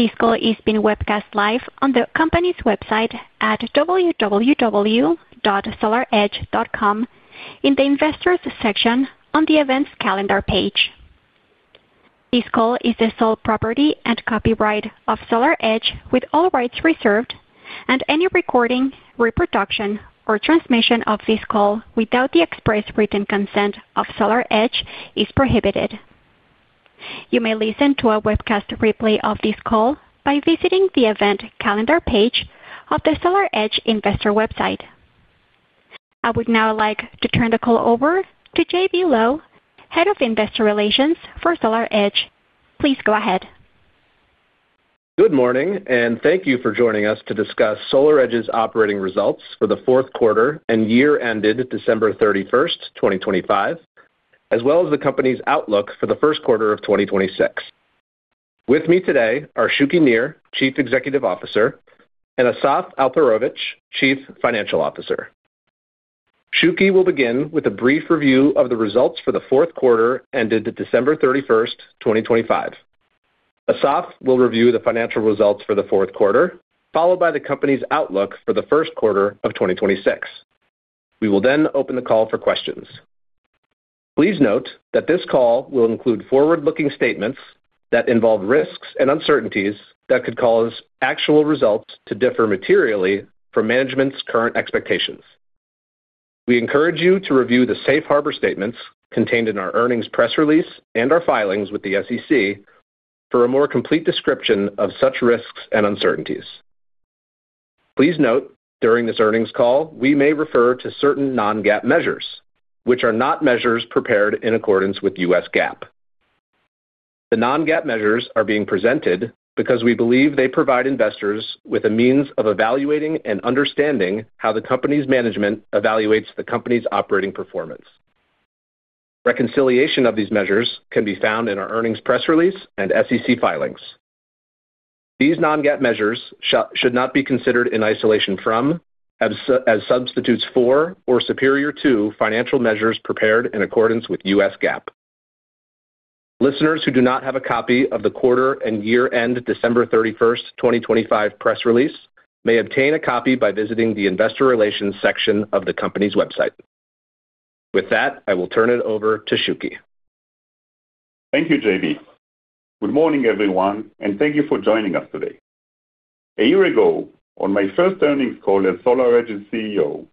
This call is being webcast live on the company's website at www.solaredge.com in the Investors section on the Events Calendar page. This call is the sole property and copyright of SolarEdge, with all rights reserved, and any recording, reproduction, or transmission of this call without the express written consent of SolarEdge is prohibited. You may listen to a webcast replay of this call by visiting the Event Calendar page of the SolarEdge investor website. I would now like to turn the call over to J.B. Lowe, Head of Investor Relations for SolarEdge. Please go ahead. Good morning, and thank you for joining us to discuss SolarEdge's operating results for the fourth quarter and year ended December 31st 2025, as well as the company's outlook for the first quarter of 2026. With me today are Shuki Nir, Chief Executive Officer, and Asaf Alperovitz, Chief Financial Officer. Shuki will begin with a brief review of the results for the fourth quarter, ended December 31st 2025. Asaf will review the financial results for the fourth quarter, followed by the company's outlook for the first quarter of 2026. We will then open the call for questions. Please note that this call will include forward-looking statements that involve risks and uncertainties that could cause actual results to differ materially from management's current expectations. We encourage you to review the Safe Harbor statements contained in our earnings press release and our filings with the SEC for a more complete description of such risks and uncertainties. Please note, during this earnings call, we may refer to certain non-GAAP measures, which are not measures prepared in accordance with U.S. GAAP. The non-GAAP measures are being presented because we believe they provide investors with a means of evaluating and understanding how the company's management evaluates the company's operating performance. Reconciliation of these measures can be found in our earnings press release and SEC filings. These non-GAAP measures should not be considered in isolation from, as substitutes for, or superior to financial measures prepared in accordance with U.S. GAAP. Listeners who do not have a copy of the quarter and year-end December 31st 2025, press release may obtain a copy by visiting the Investor Relations section of the company's website. With that, I will turn it over to Shuki. Thank you, J.B. Good morning, everyone, and thank you for joining us today. A year ago, on my first earnings call as SolarEdge CEO,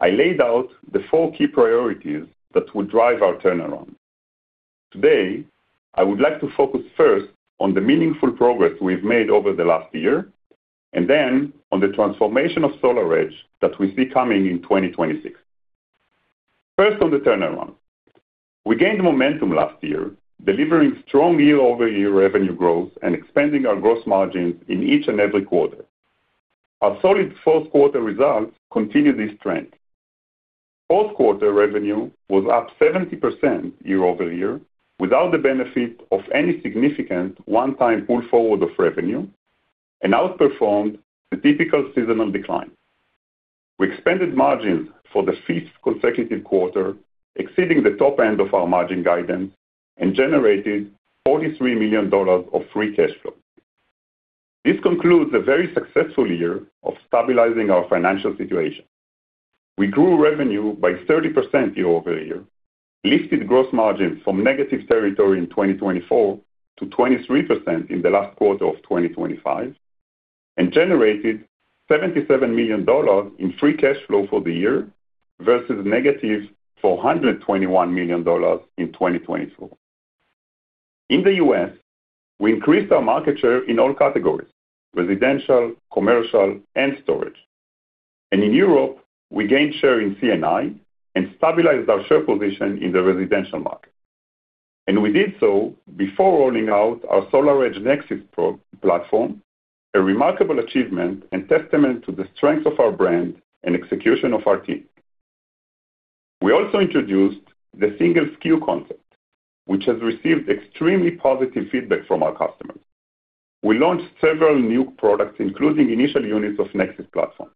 I laid out the four key priorities that would drive our turnaround. Today, I would like to focus first on the meaningful progress we've made over the last year and then on the transformation of SolarEdge that we see coming in 2026. First, on the turnaround. We gained momentum last year, delivering strong year-over-year revenue growth and expanding our gross margins in each and every quarter. Our solid fourth quarter results continued this trend. Fourth quarter revenue was up 70% year-over-year, without the benefit of any significant one-time pull-forward of revenue, and outperformed the typical seasonal decline. We expanded margins for the fifth consecutive quarter, exceeding the top end of our margin guidance and generating $43 million of free cash flow. This concludes a very successful year of stabilizing our financial situation. We grew revenue by 30% year-over-year, lifted gross margins from negative territory in 2024 to 23% in the last quarter of 2025, and generated $77 million in free cash flow for the year versus negative $421 million in 2024. In the U.S., we increased our market share in all categories, residential, commercial, and storage. In Europe, we gained share in C&I and stabilized our share position in the residential market. We did so before rolling out our SolarEdge Nexus Pro platform, a remarkable achievement and testament to the strength of our brand and execution of our team. We also introduced the Single SKU concept, which has received extremely positive feedback from our customers. We launched several new products, including initial units of Nexus platform,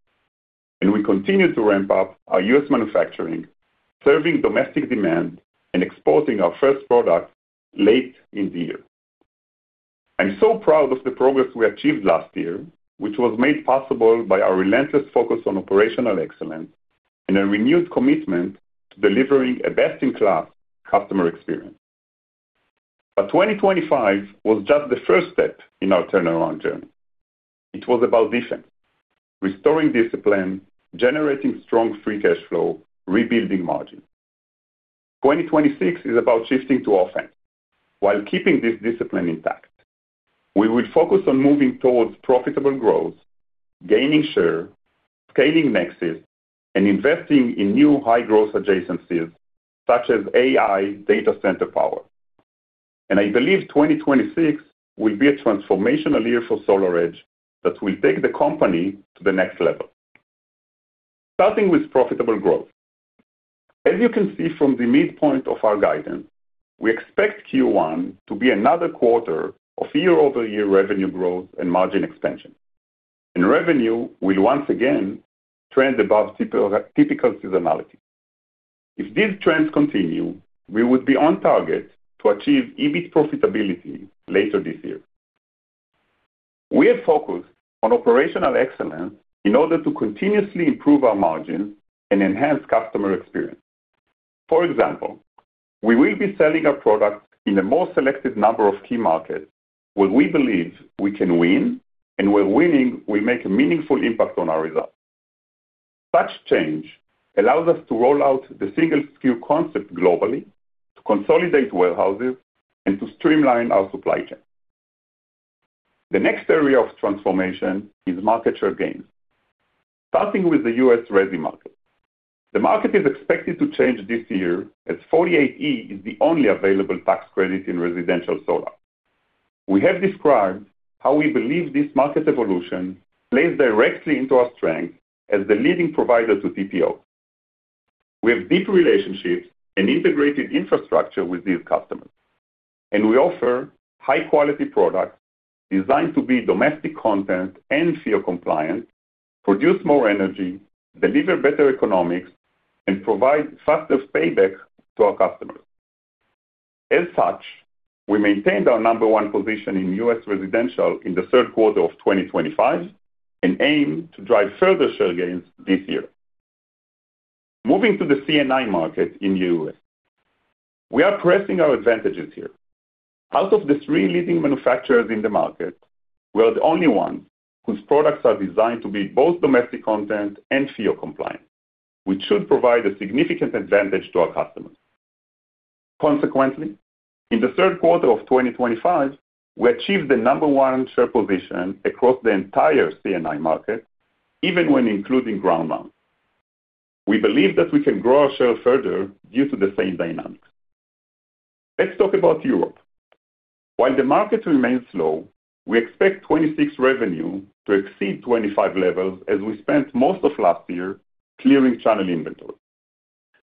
and we continue to ramp up our U.S. manufacturing, serving domestic demand and exporting our first product late in the year. I'm so proud of the progress we achieved last year, which was made possible by our relentless focus on operational excellence and a renewed commitment to delivering a best-in-class customer experience. But 2025 was just the first step in our turnaround journey. It was about defense, restoring discipline, generating strong free cash flow, rebuilding margin. 2026 is about shifting to offense while keeping this discipline intact. We will focus on moving towards profitable growth, gaining share, scaling Nexus, and investing in new high-growth adjacencies such as AI data center power. I believe 2026 will be a transformational year for SolarEdge that will take the company to the next level. Starting with profitable growth. As you can see from the midpoint of our guidance, we expect Q1 to be another quarter of year-over-year revenue growth and margin expansion, and revenue will once again trend above typical seasonality. If these trends continue, we would be on target to achieve EBIT profitability later this year. We have focused on operational excellence in order to continuously improve our margins and enhance customer experience. For example, we will be selling our products in a more selected number of key markets where we believe we can win, and where winning will make a meaningful impact on our results. Such change allows us to roll out the single SKU concept globally, to consolidate warehouses, and to streamline our supply chain. The next area of transformation is market share gains. Starting with the U.S. resi market. The market is expected to change this year, as 48E is the only available tax credit in residential solar. We have described how we believe this market evolution plays directly into our strength as the leading provider to TPO. We have deep relationships and integrated infrastructure with these customers, and we offer high-quality products designed to be domestic content and FEOC compliant, produce more energy, deliver better economics, and provide faster payback to our customers. As such, we maintained our number one position in U.S. residential in the third quarter of 2025 and aim to drive further share gains this year. Moving to the C&I market in the U.S. We are pressing our advantages here. Out of the three leading manufacturers in the market, we are the only one whose products are designed to be both domestic content and FEOC compliant, which should provide a significant advantage to our customers. Consequently, in the third quarter of 2025, we achieved the number one share position across the entire C&I market, even when including ground mounts. We believe that we can grow our share further due to the same dynamics. Let's talk about Europe. While the market remains slow, we expect 2026 revenue to exceed 2025 levels as we spent most of last year clearing channel inventory.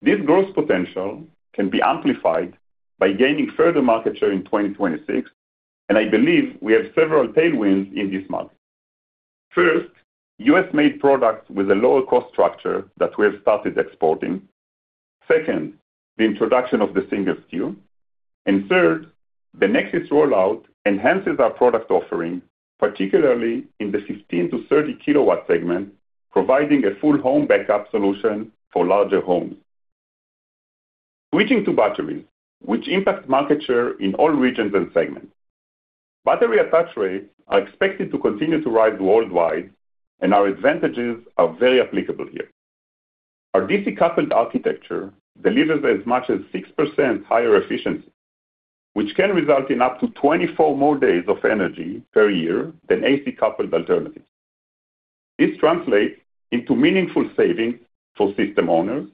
This growth potential can be amplified by gaining further market share in 2026, and I believe we have several tailwinds in this market. First, U.S.-made products with a lower cost structure that we have started exporting. Second, the introduction of the single SKU. Third, the Nexus rollout enhances our product offering, particularly in the 15-30 kW segment, providing a full home backup solution for larger homes. Switching to batteries, which impact market share in all regions and segments. Battery attach rates are expected to continue to rise worldwide, and our advantages are very applicable here. Our DC-coupled architecture delivers as much as 6% higher efficiency, which can result in up to 24 more days of energy per year than AC-coupled alternatives. This translates into meaningful savings for system owners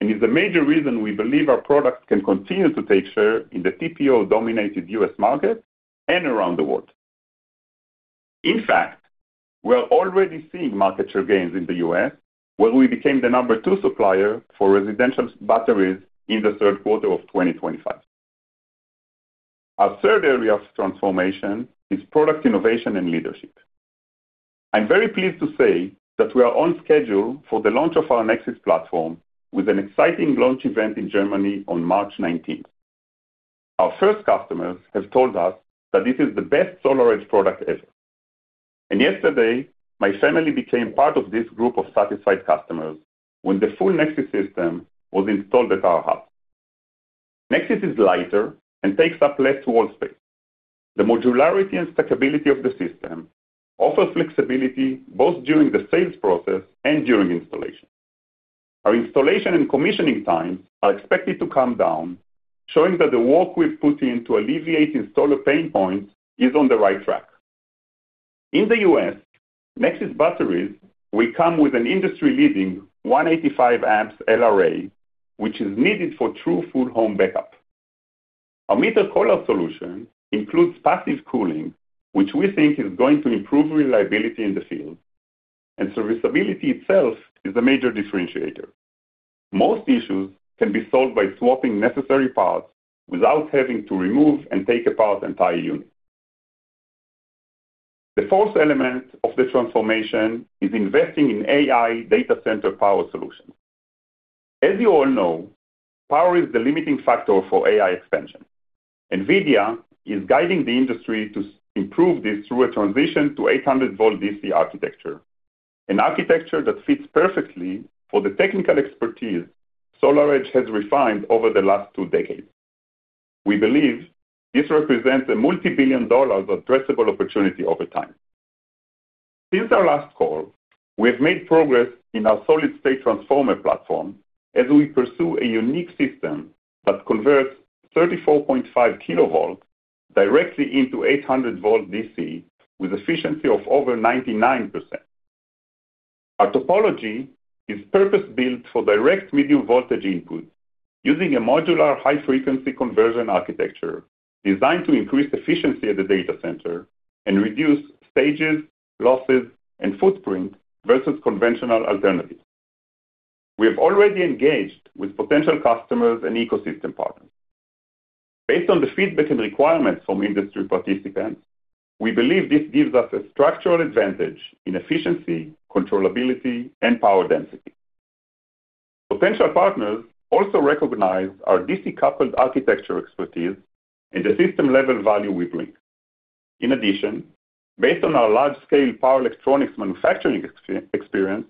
and is the major reason we believe our products can continue to take share in the TPO-dominated U.S. market and around the world. In fact, we are already seeing market share gains in the U.S., where we became the number two supplier for residential batteries in the third quarter of 2025. Our third area of transformation is product innovation and leadership. I'm very pleased to say that we are on schedule for the launch of our Nexus platform with an exciting launch event in Germany on March 19. Our first customers have told us that this is the best SolarEdge product ever, and yesterday, my family became part of this group of satisfied customers when the full Nexus system was installed at our house. Nexus is lighter and takes up less wall space. The modularity and stackability of the system offers flexibility both during the sales process and during installation. Our installation and commissioning times are expected to come down, showing that the work we've put in to alleviating solar pain points is on the right track. In the U.S., Nexus batteries will come with an industry-leading 185 amps LRA, which is needed for true full home backup. Our meter collar solution includes passive cooling, which we think is going to improve reliability in the field, and serviceability itself is a major differentiator. Most issues can be solved by swapping necessary parts without having to remove and take apart the entire unit. The fourth element of the transformation is investing in AI data center power solutions. As you all know, power is the limiting factor for AI expansion. NVIDIA is guiding the industry to improve this through a transition to 800-volt DC architecture, an architecture that fits perfectly for the technical expertise SolarEdge has refined over the last two decades. We believe this represents a multi-billion-dollar addressable opportunity over time. Since our last call, we have made progress in our solid-state transformer platform as we pursue a unique system that converts 34.5 kilovolts directly into 800-volt DC with efficiency of over 99%. Our topology is purpose-built for direct medium voltage input, using a modular, high-frequency conversion architecture designed to increase efficiency at the data center and reduce stages, losses, and footprint versus conventional alternatives. We have already engaged with potential customers and ecosystem partners.... Based on the feedback and requirements from industry participants, we believe this gives us a structural advantage in efficiency, controllability, and power density. Potential partners also recognize our DC-coupled architecture expertise and the system-level value we bring. In addition, based on our large-scale power electronics manufacturing experience,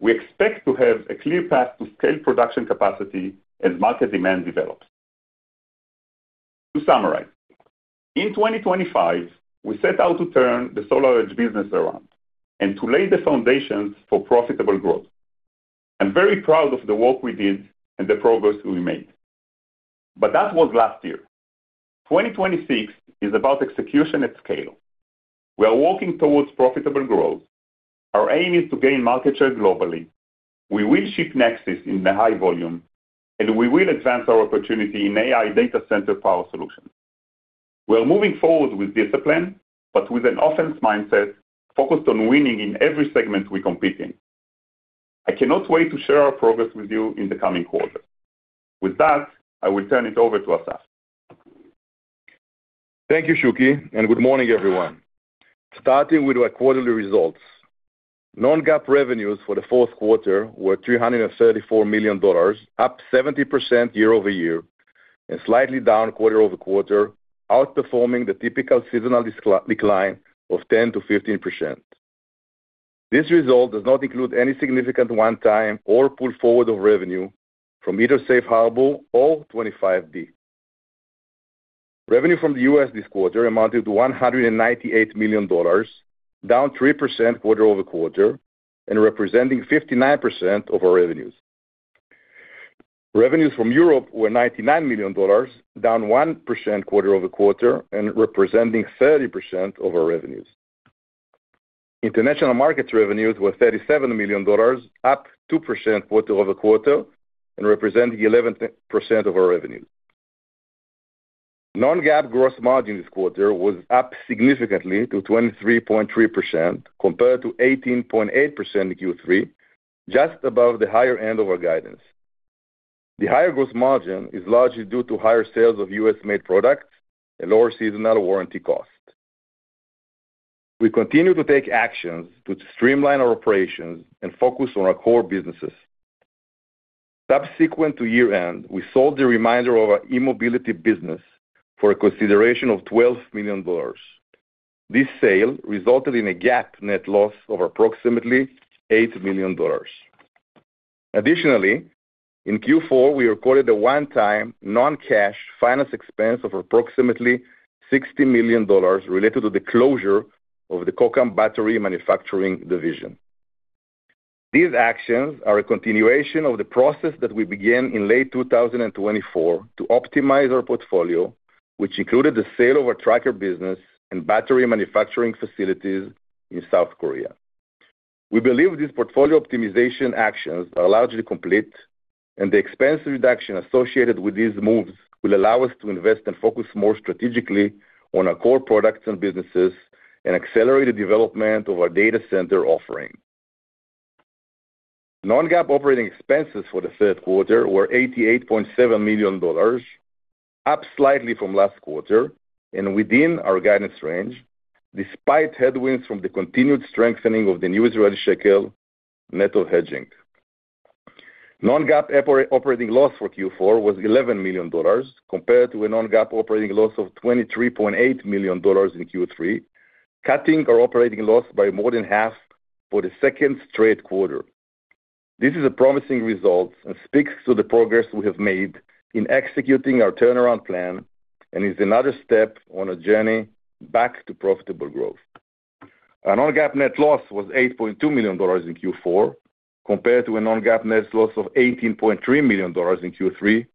we expect to have a clear path to scale production capacity as market demand develops. To summarize, in 2025, we set out to turn the SolarEdge business around and to lay the foundation for profitable growth. I'm very proud of the work we did and the progress we made. But that was last year. 2026 is about execution at scale. We are working towards profitable growth. Our aim is to gain market share globally. We will ship Nexus in the high volume, and we will advance our opportunity in AI data center power solution. We are moving forward with discipline, but with an offense mindset, focused on winning in every segment we compete in. I cannot wait to share our progress with you in the coming quarter. With that, I will turn it over to Asaf. Thank you, Shuki, and good morning, everyone. Starting with our quarterly results. Non-GAAP revenues for the fourth quarter were $334 million, up 70% year-over-year and slightly down quarter-over-quarter, outperforming the typical seasonal decline of 10%-15%. This result does not include any significant one-time or pull-forward of revenue from either Safe Harbor or 25D. Revenue from the U.S. this quarter amounted to $198 million, down 3% quarter-over-quarter, and representing 59% of our revenues. Revenues from Europe were $99 million, down 1% quarter-over-quarter, and representing 30% of our revenues. International markets revenues were $37 million, up 2% quarter-over-quarter, and representing 11% of our revenues. Non-GAAP gross margin this quarter was up significantly to 23.3%, compared to 18.8% in Q3, just above the higher end of our guidance. The higher gross margin is largely due to higher sales of U.S.-made products and lower seasonal warranty costs. We continue to take actions to streamline our operations and focus on our core businesses. Subsequent to year-end, we sold the remainder of our e-Mobility business for a consideration of $12 million. This sale resulted in a GAAP net loss of approximately $8 million. Additionally, in Q4, we recorded a one-time non-cash finance expense of approximately $60 million related to the closure of the Kokam battery manufacturing division. These actions are a continuation of the process that we began in late 2024 to optimize our portfolio, which included the sale of our tracker business and battery manufacturing facilities in South Korea. We believe these portfolio optimization actions are largely complete, and the expense reduction associated with these moves will allow us to invest and focus more strategically on our core products and businesses and accelerate the development of our data center offering. Non-GAAP operating expenses for the third quarter were $88.7 million, up slightly from last quarter and within our guidance range, despite headwinds from the continued strengthening of the new Israeli shekel net of hedging. Non-GAAP operating loss for Q4 was $11 million, compared to a non-GAAP operating loss of $23.8 million in Q3, cutting our operating loss by more than half for the second straight quarter. This is a promising result and speaks to the progress we have made in executing our turnaround plan and is another step on a journey back to profitable growth. Our non-GAAP net loss was $8.2 million in Q4, compared to a non-GAAP net loss of $18.3 million in Q3,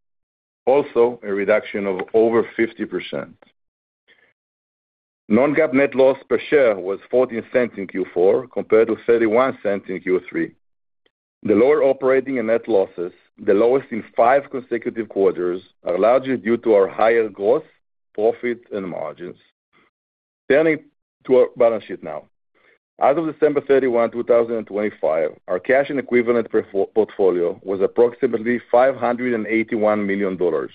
also a reduction of over 50%. Non-GAAP net loss per share was $0.14 in Q4, compared to $0.31 in Q3. The lower operating and net losses, the lowest in five consecutive quarters, are largely due to our higher growth, profit, and margins. Turning to our balance sheet now. As of December 31, 2025, our cash and equivalent portfolio was approximately $581 million.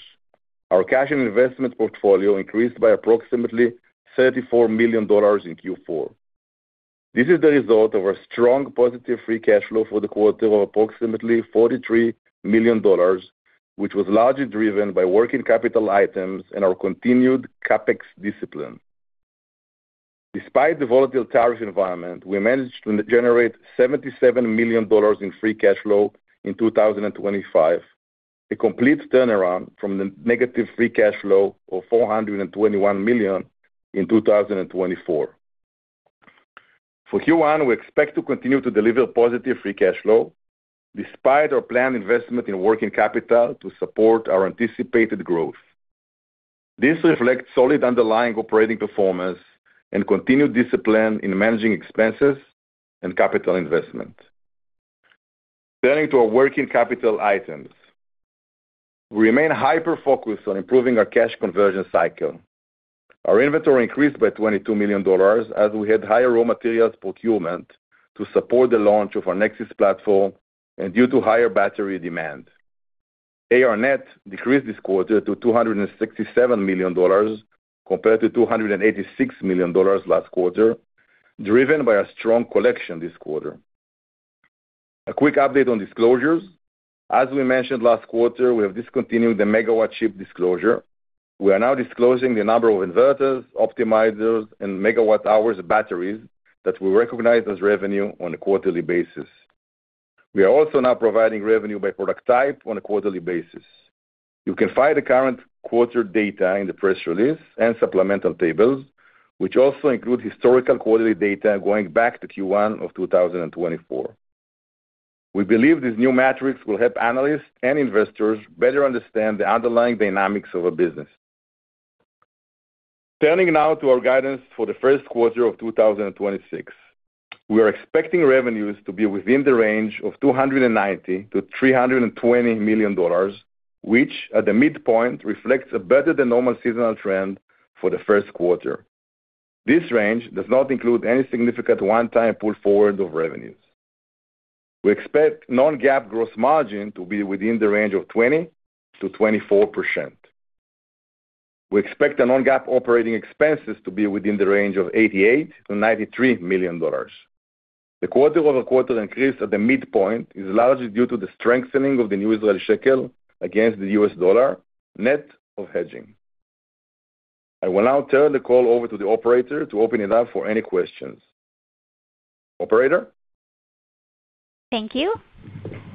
Our cash and investment portfolio increased by approximately $34 million in Q4. This is the result of a strong, positive free cash flow for the quarter of approximately $43 million, which was largely driven by working capital items and our continued CapEx discipline. Despite the volatile tariff environment, we managed to generate $77 million in free cash flow in 2025, a complete turnaround from the negative free cash flow of $421 million in 2024. For Q1, we expect to continue to deliver positive free cash flow despite our planned investment in working capital to support our anticipated growth. This reflects solid underlying operating performance and continued discipline in managing expenses and capital investment. Turning to our working capital items. We remain hyper-focused on improving our cash conversion cycle. ... Our inventory increased by $22 million as we had higher raw materials procurement to support the launch of our Nexus platform and due to higher battery demand. AR net decreased this quarter to $267 million, compared to $286 million last quarter, driven by a strong collection this quarter. A quick update on disclosures. As we mentioned last quarter, we have discontinued the megawatts shipped disclosure. We are now disclosing the number of inverters, optimizers, and megawatt-hours batteries that we recognize as revenue on a quarterly basis. We are also now providing revenue by product type on a quarterly basis. You can find the current quarter data in the press release and supplemental tables, which also include historical quarterly data going back to Q1 of 2024. We believe these new metrics will help analysts and investors better understand the underlying dynamics of a business. Turning now to our guidance for the first quarter of 2026. We are expecting revenues to be within the range of $290 million-$320 million, which at the midpoint, reflects a better than normal seasonal trend for the first quarter. This range does not include any significant one-time pull-forward of revenues. We expect non-GAAP gross margin to be within the range of 20%-24%. We expect the non-GAAP operating expenses to be within the range of $88 million-$93 million. The quarter-over-quarter increase at the midpoint is largely due to the strengthening of the Israeli new shekel against the U.S. dollar, net of hedging. I will now turn the call over to the operator to open it up for any questions. Operator? Thank you.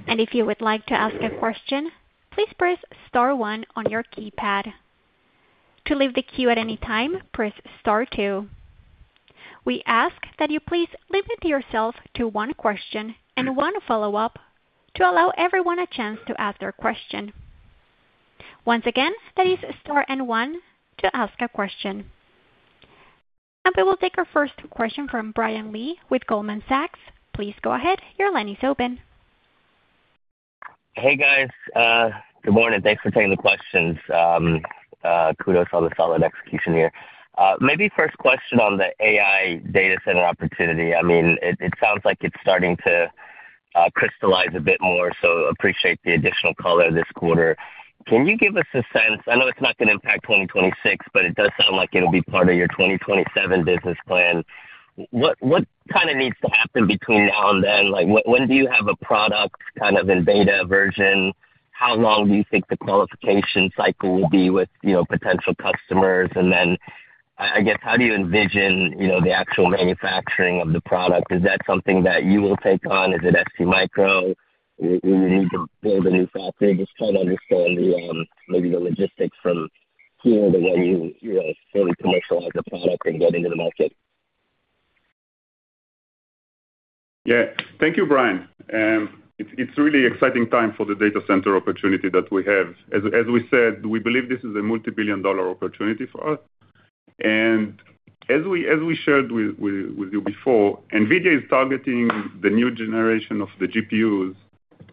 If you would like to ask a question, please press star one on your keypad. To leave the queue at any time, press star two. We ask that you please limit yourself to one question and one follow-up to allow everyone a chance to ask their question. Once again, that is star one to ask a question. We will take our first question from Brian Lee with Goldman Sachs. Please go ahead. Your line is open. Hey, guys. Good morning. Thanks for taking the questions. Kudos on the solid execution here. Maybe first question on the AI data center opportunity. I mean, it, it sounds like it's starting to crystallize a bit more, so appreciate the additional color this quarter. Can you give us a sense. I know it's not going to impact 2026, but it does sound like it'll be part of your 2027 business plan. What, what kind of needs to happen between now and then? Like, when do you have a product kind of in beta version? How long do you think the qualification cycle will be with, you know, potential customers? And then, I, I guess, how do you envision, you know, the actual manufacturing of the product? Is that something that you will take on? Is it ST Micro, where you need to build a new factory? Just trying to understand the, maybe the logistics from here to when you fully commercialize the product and get into the market. Yeah. Thank you, Brian. It's really exciting time for the data center opportunity that we have. As we said, we believe this is a multibillion-dollar opportunity for us. And as we shared with you before, NVIDIA is targeting the new generation of the GPUs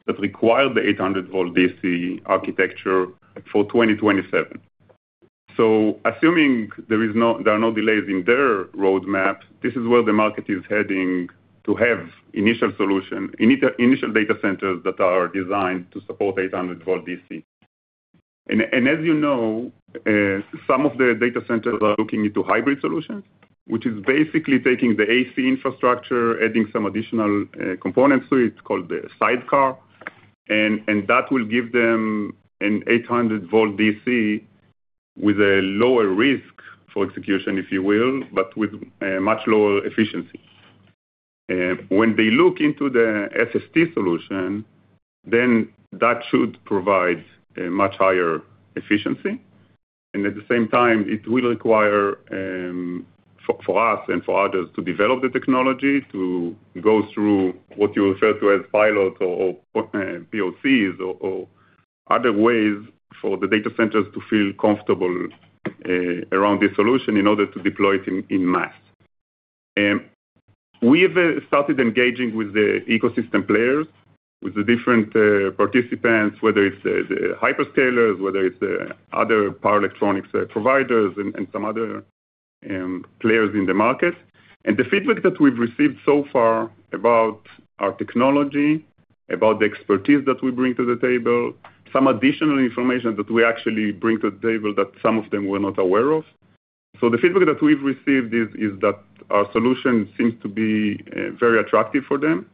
that require the 800-volt DC architecture for 2027. So assuming there is no—there are no delays in their roadmap, this is where the market is heading to have initial solution, initial data centers that are designed to support 800-volt DC. As you know, some of the data centers are looking into hybrid solutions, which is basically taking the AC infrastructure, adding some additional components to it, called the sidecar, and that will give them an 800-volt DC with a lower risk for execution, if you will, but with much lower efficiency. When they look into the SST solution, then that should provide a much higher efficiency, and at the same time, it will require for us and for others to develop the technology, to go through what you refer to as pilot or POCs, or other ways for the data centers to feel comfortable around this solution in order to deploy it in mass. We have started engaging with the ecosystem players, with the different participants, whether it's the hyperscalers, whether it's the other power electronics providers and some other players in the market. The feedback that we've received so far about our technology, about the expertise that we bring to the table, some additional information that we actually bring to the table that some of them were not aware of. The feedback that we've received is that our solution seems to be very attractive for them.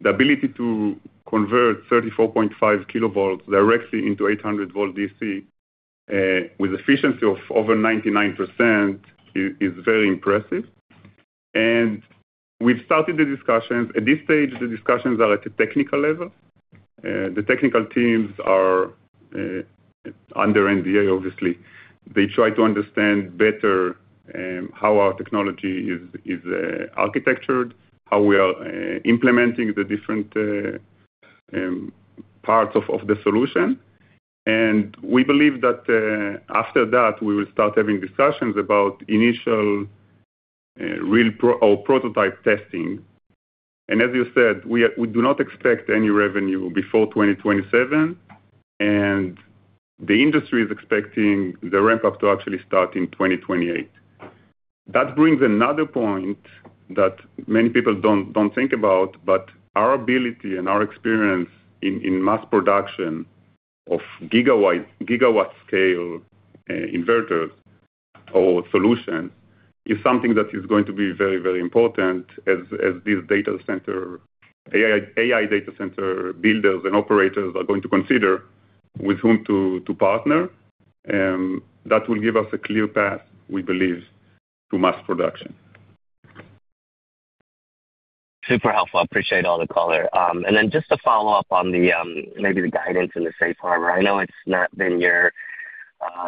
The ability to convert 34.5 kilovolts directly into 800-volt DC with efficiency of over 99% is very impressive. We've started the discussions. At this stage, the discussions are at a technical level. The technical teams are under NDA, obviously. They try to understand better how our technology is architectured, how we are implementing the different parts of the solution. And we believe that after that, we will start having discussions about initial real pro or prototype testing. And as you said, we do not expect any revenue before 2027, and the industry is expecting the ramp up to actually start in 2028. That brings another point that many people don't think about, but our ability and our experience in mass production of gigawatt-scale inverters or solutions is something that is going to be very important as these data center, AI data center builders and operators are going to consider with whom to partner. That will give us a clear path, we believe, to mass production. Super helpful. I appreciate all the color. And then just to follow up on the, maybe the guidance in the Safe Harbor. I know it's not been your,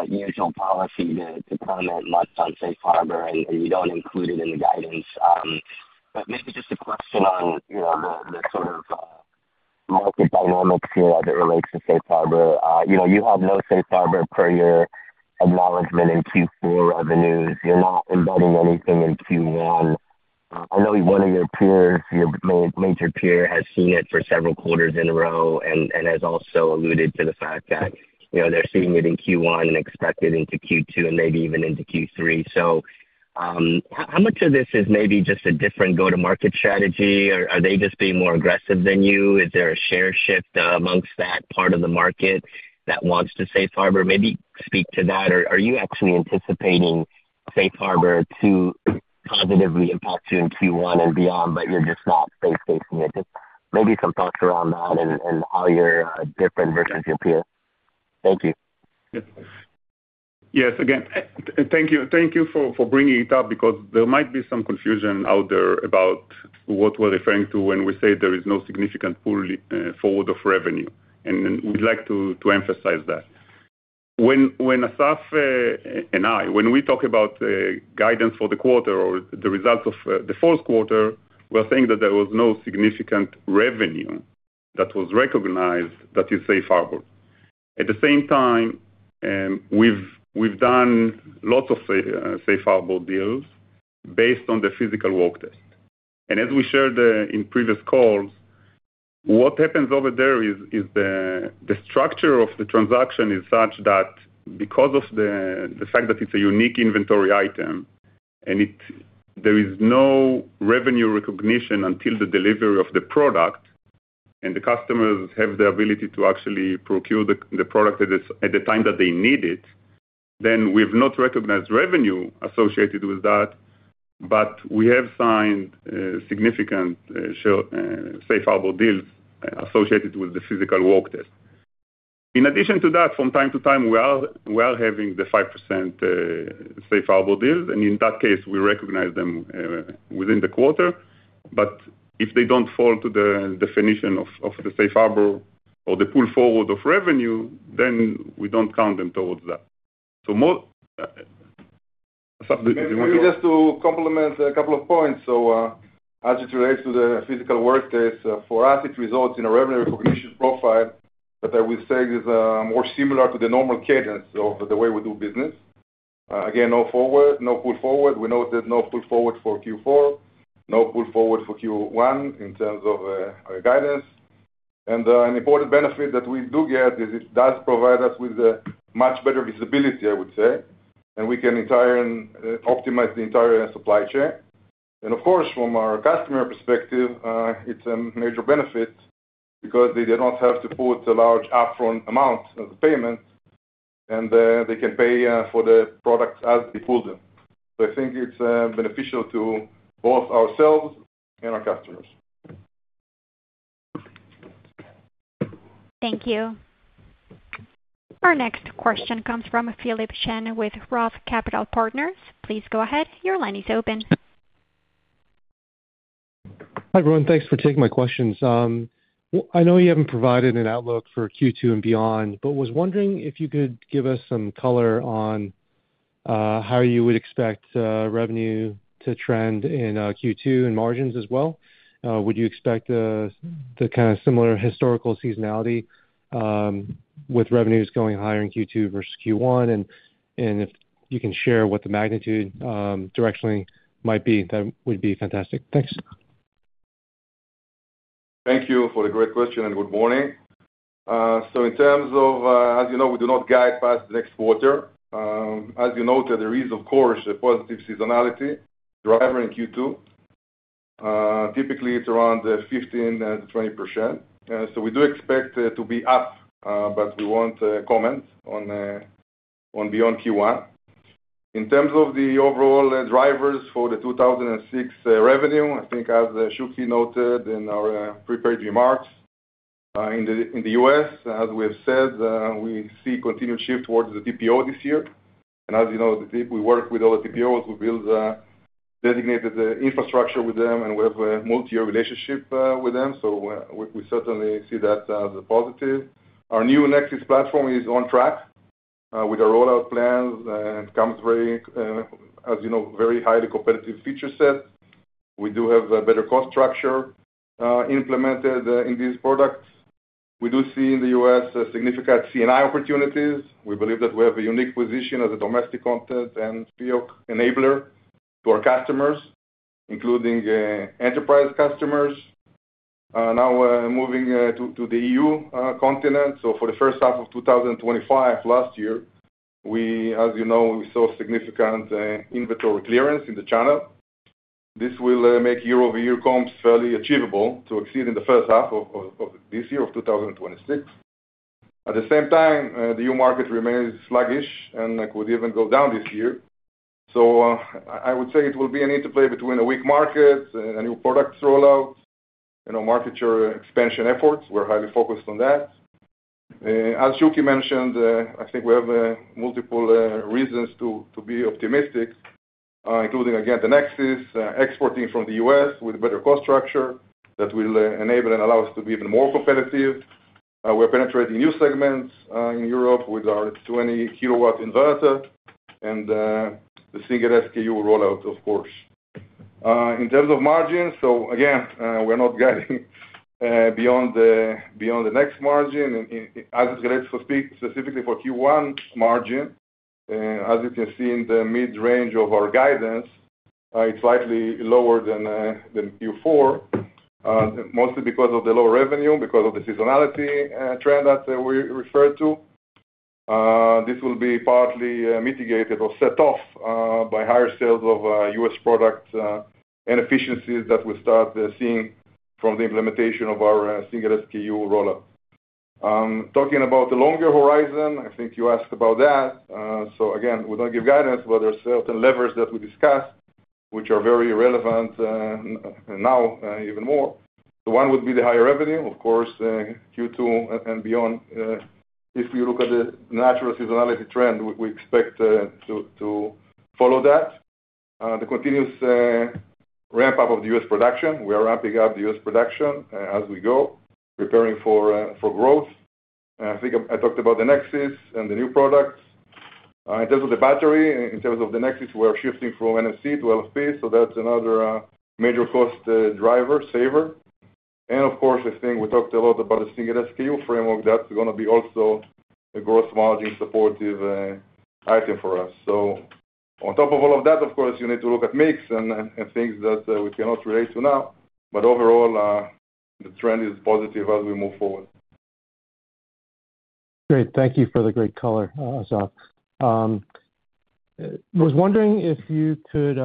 usual policy to, to comment much on Safe Harbor, and, and you don't include it in the guidance. But maybe just a question on, you know, the, the sort of, market dynamics here as it relates to Safe Harbor. You know, you have no Safe Harbor per your acknowledgment in Q4 revenues. You're not embedding anything in Q1. I know one of your peers, your major peer, has seen it for several quarters in a row and, and has also alluded to the fact that, you know, they're seeing it in Q1 and expect it into Q2 and maybe even into Q3. So, how much of this is maybe just a different go-to-market strategy? Or are they just being more aggressive than you? Is there a share shift amongst that part of the market that wants to Safe Harbor? Maybe speak to that. Or are you actually anticipating Safe Harbor to positively impact you in Q1 and beyond, but you're just not Safe Harboring it? Just maybe some thoughts around that and how you're different versus your peers. Thank you. Yes. Again, thank you, thank you for bringing it up because there might be some confusion out there about what we're referring to when we say there is no significant pull-forward of revenue, and we'd like to emphasize that. When Asaf and I, when we talk about guidance for the quarter or the results of the fourth quarter, we're saying that there was no significant revenue that was recognized, that is Safe Harbor. At the same time, we've done lots of Safe Harbor deals based on the Physical Work Test. As we shared in previous calls, what happens over there is the structure of the transaction is such that because of the fact that it's a unique inventory item and there is no revenue recognition until the delivery of the product, and the customers have the ability to actually procure the product at the time that they need it, then we've not recognized revenue associated with that, but we have signed significant Safe Harbor deals associated with the Physical Work Test. In addition to that, from time to time, we are having the 5% Safe Harbor deals, and in that case, we recognize them within the quarter. But if they don't fall to the definition of the Safe Harbor or the pull-forward of revenue, then we don't count them towards that. So, Asaf, do you want to- Maybe just to complement a couple of points. So, as it relates to the Physical Work Test, for us, it results in a revenue recognition profile, but I would say is more similar to the normal cadence of the way we do business. Again, no forward, no pull-forward. We note that no pull-forward for Q4, no pull-forward for Q1 in terms of guidance. And, an important benefit that we do get is it does provide us with a much better visibility, I would say, and we can entirely optimize the entire supply chain. And of course, from our customer perspective, it's a major benefit because they do not have to put a large upfront amount of the payment, and they can pay for the product as they pull them. I think it's beneficial to both ourselves and our customers. Thank you. Our next question comes from Philip Shen with Roth Capital Partners. Please go ahead. Your line is open. Hi, everyone. Thanks for taking my questions. I know you haven't provided an outlook for Q2 and beyond, but was wondering if you could give us some color on how you would expect revenue to trend in Q2 and margins as well. Would you expect the kind of similar historical seasonality with revenues going higher in Q2 versus Q1? And if you can share what the magnitude, directionally, might be, that would be fantastic. Thanks. Thank you for the great question, and good morning. So in terms of, as you know, we do not guide past the next quarter. As you noted, there is of course a positive seasonality driver in Q2. Typically, it's around 15%-20%. So we do expect it to be up, but we won't comment on beyond Q1. In terms of the overall drivers for the 2026 revenue, I think as Shuki noted in our prepared remarks, in the US, as we have said, we see continued shift towards the TPO this year. As you know, the people we work with, all the TPOs, we build designated the infrastructure with them, and we have a multi-year relationship with them, so we certainly see that as a positive. Our new Nexus platform is on track with our rollout plans, and it comes very, as you know, very highly competitive feature set. We do have a better cost structure implemented in these products. We do see in the U.S. significant C&I opportunities. We believe that we have a unique position as a domestic content and FEOC enabler to our customers, including enterprise customers. Now, moving to the EU continent. For the first half of 2025, last year, we, as you know, we saw significant inventory clearance in the channel. This will make year-over-year comps fairly achievable to exceed in the first half of this year of 2026. At the same time, the EU market remains sluggish and could even go down this year. So, I would say it will be an interplay between a weak market, a new product rollout, you know, market share expansion efforts. We're highly focused on that. As Shuki mentioned, I think we have multiple reasons to be optimistic, including, again, the Nexus, exporting from the U.S. with better cost structure that will enable and allow us to be even more competitive. We're penetrating new segments in Europe with our 20-kilowatt inverter and the single SKU rollout, of course. In terms of margins, so again, we're not guiding beyond the next margin. As it relates specifically for Q1 margin, as you can see in the mid-range of our guidance, it's slightly lower than Q4, mostly because of the lower revenue, because of the seasonality trend that we referred to. This will be partly mitigated or set off by higher sales of U.S. products and efficiencies that we start seeing from the implementation of our single SKU rollout. Talking about the longer horizon, I think you asked about that. So again, we don't give guidance, but there are certain levers that we discussed, which are very relevant now, even more. One would be the higher revenue, of course, Q2 and beyond. If you look at the natural seasonality trend, we expect to follow that. The continuous ramp up of the U.S. production. We are ramping up the U.S. production as we go, preparing for growth. I think I talked about the Nexus and the new products. In terms of the battery, in terms of the Nexus, we are shifting from NMC to LFP, so that's another major cost driver, saver. And of course, I think we talked a lot about the single SKU framework. That's gonna be also a gross margin supportive item for us. So on top of all of that, of course, you need to look at mix and things that we cannot relate to now. But overall, the trend is positive as we move forward. Great. Thank you for the great color, Asaf. I was wondering if you could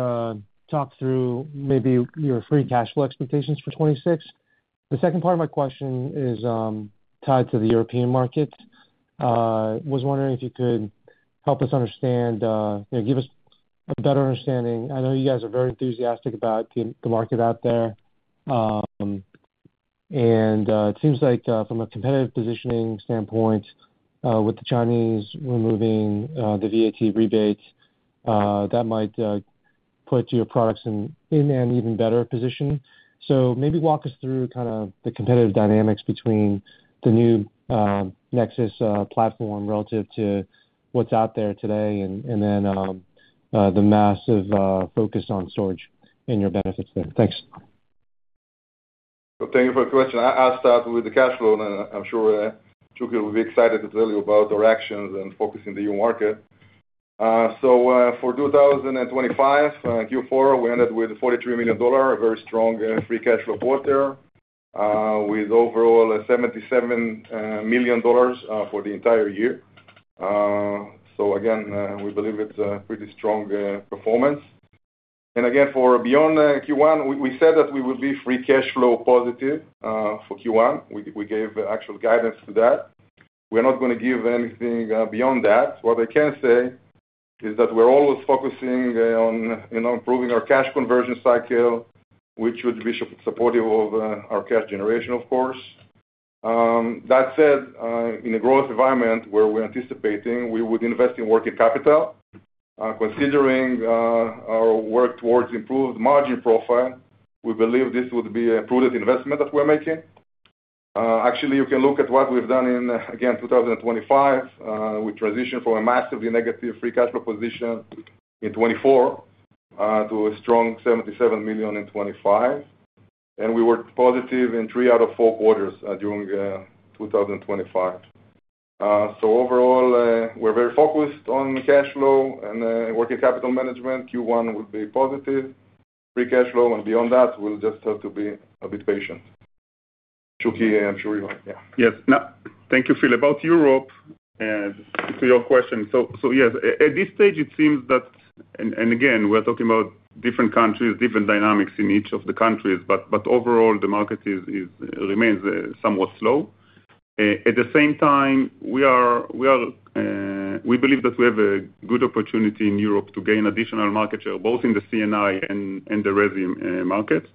talk through maybe your free cash flow expectations for 2026. The second part of my question is tied to the European market. Was wondering if you could help us understand, you know, give us a better understanding. I know you guys are very enthusiastic about the market out there. And it seems like from a competitive positioning standpoint with the Chinese removing the VAT rebates that might put your products in an even better position. So maybe walk us through kind of the competitive dynamics between the new Nexus platform relative to what's out there today, and then the massive focus on storage and your benefits there. Thanks. Well, thank you for the question. I'll start with the cash flow, and I'm sure Shuki will be excited to tell you about our actions and focus in the EU market. So, for 2025 Q4, we ended with $43 million, a very strong free cash flow quarter, with overall $77 million for the entire year. So again, we believe it's a pretty strong performance. And again, beyond Q1, we said that we would be free cash flow positive for Q1. We gave actual guidance to that. We're not gonna give anything beyond that. What I can say is that we're always focusing on you know, improving our cash conversion cycle, which would be supportive of our cash generation, of course. That said, in a growth environment where we're anticipating, we would invest in working capital. Considering our work towards improved margin profile, we believe this would be a prudent investment that we're making. Actually, you can look at what we've done in, again, 2025. We transitioned from a massively negative free cash flow position in 2024 to a strong $77 million in 2025, and we were positive in three out of four quarters during 2025. So overall, we're very focused on cash flow and working capital management. Q1 would be positive free cash flow, and beyond that, we'll just have to be a bit patient. Shuki, I'm sure you want, yeah. Yes. Now, thank you, Philip. About Europe, to your question, so yes, at this stage, it seems that... And again, we're talking about different countries, different dynamics in each of the countries, but overall, the market remains somewhat slow. At the same time, we believe that we have a good opportunity in Europe to gain additional market share, both in the C&I and the Resi market.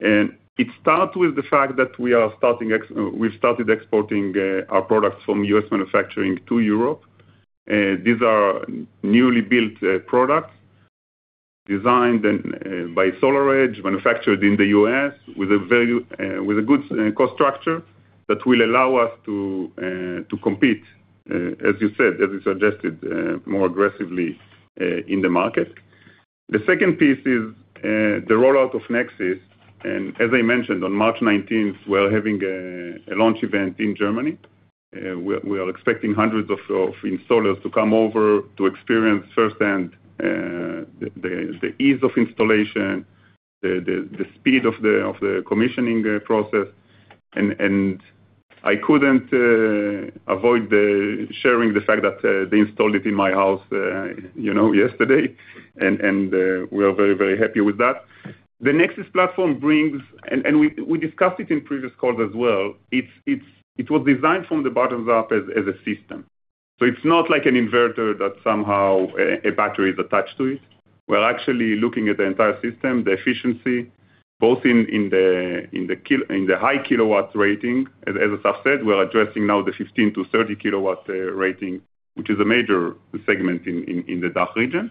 And it starts with the fact that we've started exporting our products from U.S. manufacturing to Europe. These are newly built products designed by SolarEdge, manufactured in the U.S. with a very good cost structure... That will allow us to compete, as you said, as you suggested, more aggressively in the market. The second piece is the rollout of Nexus, and as I mentioned, on March 19th, we are having a launch event in Germany. We are expecting hundreds of installers to come over to experience firsthand the ease of installation, the speed of the commissioning process. And I couldn't avoid sharing the fact that they installed it in my house, you know, yesterday, and we are very happy with that. The Nexus platform brings—and we discussed it in previous calls as well. It was designed from the bottom up as a system, so it's not like an inverter that somehow a battery is attached to it. We're actually looking at the entire system, the efficiency, both in the high kilowatts rating. As Asaf said, we're addressing now the 15-30 kW rating, which is a major segment in the DACH region.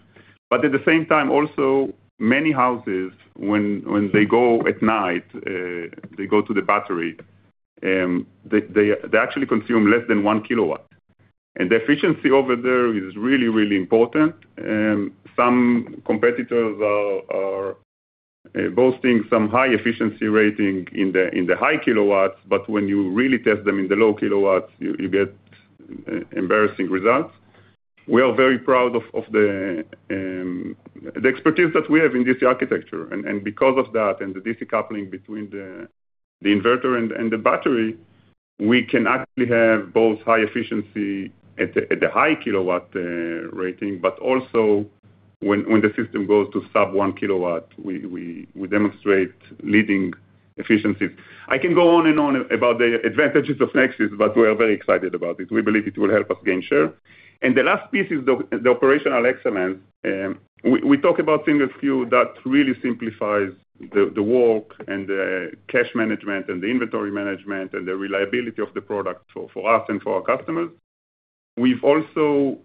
But at the same time, also many houses, when they go at night, they go to the battery, they actually consume less than 1 kW. And the efficiency over there is really, really important. Some competitors are boasting some high efficiency rating in the high kilowatts, but when you really test them in the low kilowatts, you get embarrassing results. We are very proud of the expertise that we have in DC architecture, and because of that, and the DC coupling between the inverter and the battery, we can actually have both high efficiency at the high kW rating, but also when the system goes to sub 1 kW, we demonstrate leading efficiency. I can go on and on about the advantages of Nexus, but we are very excited about it. We believe it will help us gain share. The last piece is the operational excellence. We talk about single SKU that really simplifies the work and the cash management and the inventory management and the reliability of the product for us and for our customers. We've also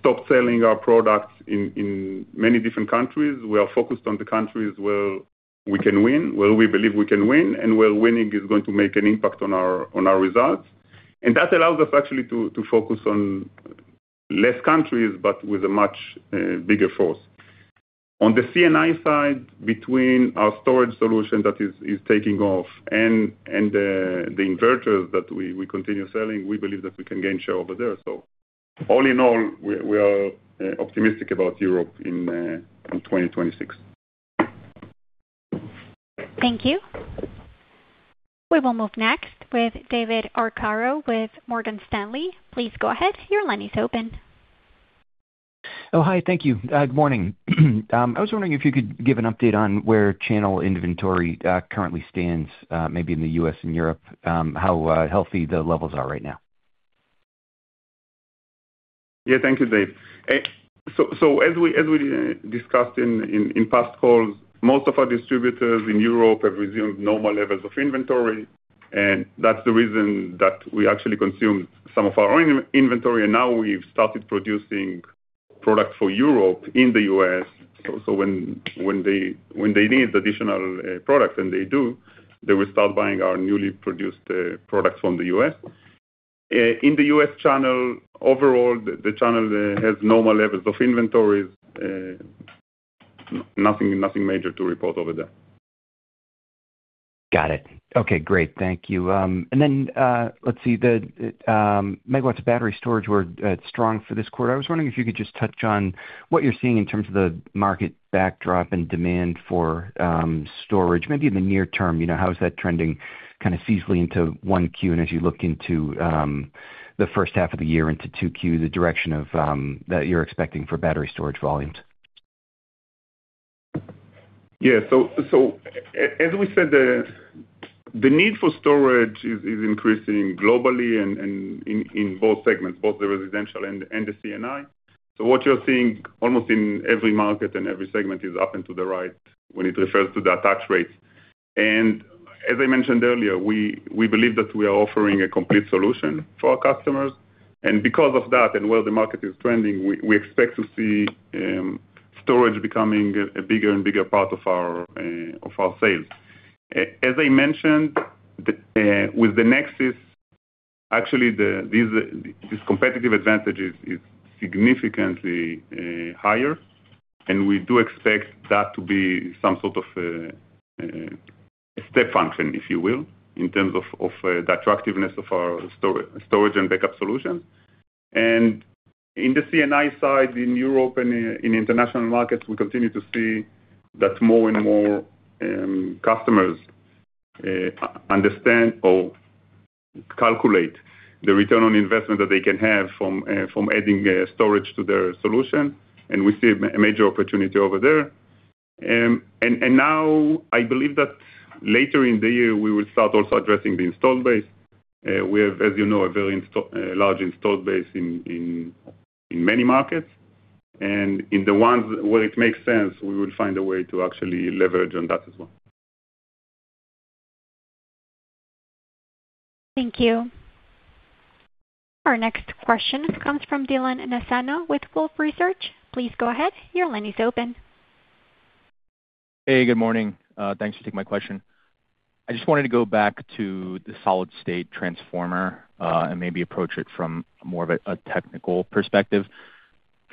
stopped selling our products in many different countries. We are focused on the countries where we can win, where we believe we can win, and where winning is going to make an impact on our, on our results. That allows us actually to, to focus on less countries, but with a much, bigger force. On the C&I side, between our storage solution that is, is taking off and, and, the inverters that we, we continue selling, we believe that we can gain share over there. So all in all, we, we are, optimistic about Europe in, in 2026. Thank you. We will move next with David Arcaro with Morgan Stanley. Please go ahead. Your line is open. Oh, hi. Thank you. Good morning. I was wondering if you could give an update on where channel inventory currently stands, maybe in the U.S. and Europe, how healthy the levels are right now? Yeah. Thank you, Dave. So as we discussed in past calls, most of our distributors in Europe have resumed normal levels of inventory, and that's the reason that we actually consumed some of our own inventory, and now we've started producing product for Europe in the US. So when they need additional product, and they do, they will start buying our newly produced products from the U.S. In the U.S. channel, overall, the channel has normal levels of inventories. Nothing major to report over there. Got it. Okay, great. Thank you. And then, let's see, the megawatts battery storage were strong for this quarter. I was wondering if you could just touch on what you're seeing in terms of the market backdrop and demand for storage, maybe in the near term. You know, how is that trending kind of seasonally into 1Q, and as you look into the first half of the year into 2Q, the direction of that you're expecting for battery storage volumes? Yeah. So, as we said, the need for storage is increasing globally and in both segments, both the residential and the C&I. So what you're seeing almost in every market and every segment is up and to the right when it refers to the attach rates. And as I mentioned earlier, we believe that we are offering a complete solution for our customers, and because of that, and where the market is trending, we expect to see storage becoming a bigger and bigger part of our sales. As I mentioned, with the Nexus, actually, this competitive advantage is significantly higher, and we do expect that to be some sort of a step function, if you will, in terms of the attractiveness of our storage and backup solution. In the C&I side, in Europe and in international markets, we continue to see that more and more customers understand or calculate the return on investment that they can have from adding storage to their solution, and we see a major opportunity over there. Now I believe that later in the year we will start also addressing the installed base. We have, as you know, a very large installed base in many markets, and in the ones where it makes sense, we will find a way to actually leverage on that as well. Thank you... Our next question comes from Dylan Nassano with Wolfe Research. Please go ahead. Your line is open. Hey, good morning. Thanks for taking my question. I just wanted to go back to the solid-state transformer, and maybe approach it from more of a technical perspective.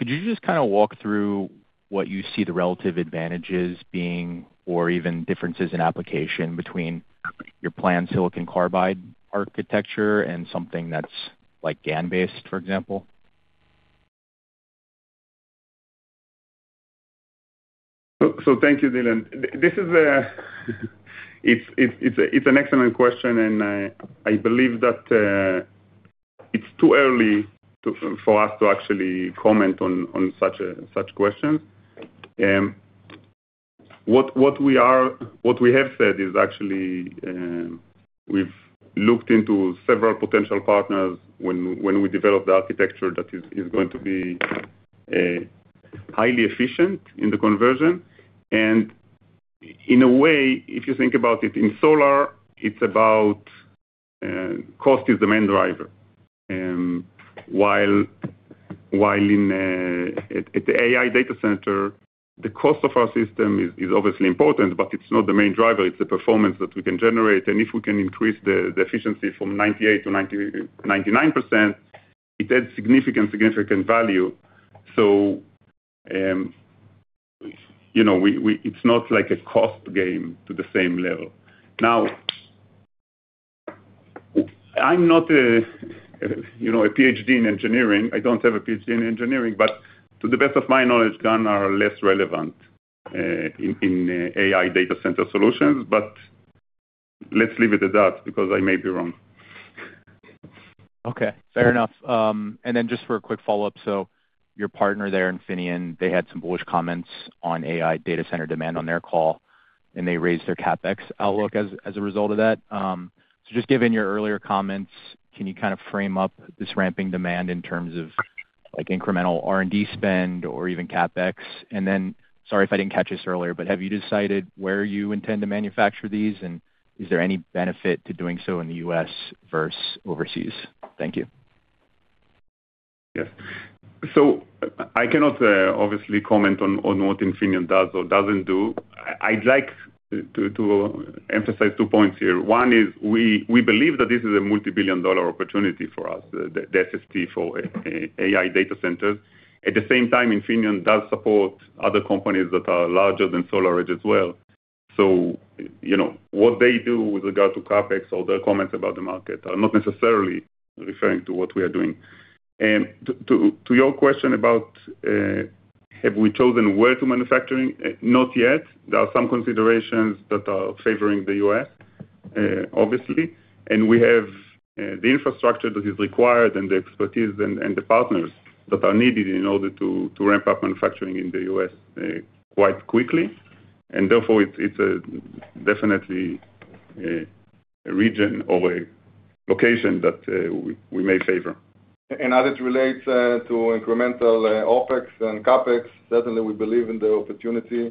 Could you just kind of walk through what you see the relative advantages being, or even differences in application between your planned silicon carbide architecture and something that's like GaN-based, for example? So, thank you, Dylan. This is an excellent question, and I believe that it's too early for us to actually comment on such a question. What we have said is actually we've looked into several potential partners when we develop the architecture that is going to be highly efficient in the conversion. And in a way, if you think about it, in solar, it's about cost is the main driver. While in the AI data center, the cost of our system is obviously important, but it's not the main driver, it's the performance that we can generate. And if we can increase the efficiency from 98% to 99%, it adds significant value. So, you know, it's not like a cost game to the same level. Now, I'm not, you know, a PhD in engineering. I don't have a PhD in engineering, but to the best of my knowledge, GaN are less relevant in AI data center solutions. But let's leave it at that, because I may be wrong. Okay, fair enough. And then just for a quick follow-up: so your partner there, Infineon, they had some bullish comments on AI data center demand on their call, and they raised their CapEx outlook as a result of that. So just given your earlier comments, can you kind of frame up this ramping demand in terms of, like, incremental R&D spend or even CapEx? And then, sorry if I didn't catch this earlier, but have you decided where you intend to manufacture these, and is there any benefit to doing so in the U.S. versus overseas? Thank you. Yes. So I cannot obviously comment on what Infineon does or doesn't do. I'd like to emphasize two points here. One is we believe that this is a multibillion-dollar opportunity for us, the SST for AI data centers. At the same time, Infineon does support other companies that are larger than SolarEdge as well. So, you know, what they do with regard to CapEx or their comments about the market are not necessarily referring to what we are doing. And to your question about have we chosen where to manufacturing? Not yet. There are some considerations that are favoring the U.S., obviously, and we have the infrastructure that is required and the expertise and the partners that are needed in order to ramp up manufacturing in the U.S., quite quickly. Therefore, it's definitely a region or a location that we may favor. As it relates to incremental OpEx and CapEx, certainly we believe in the opportunity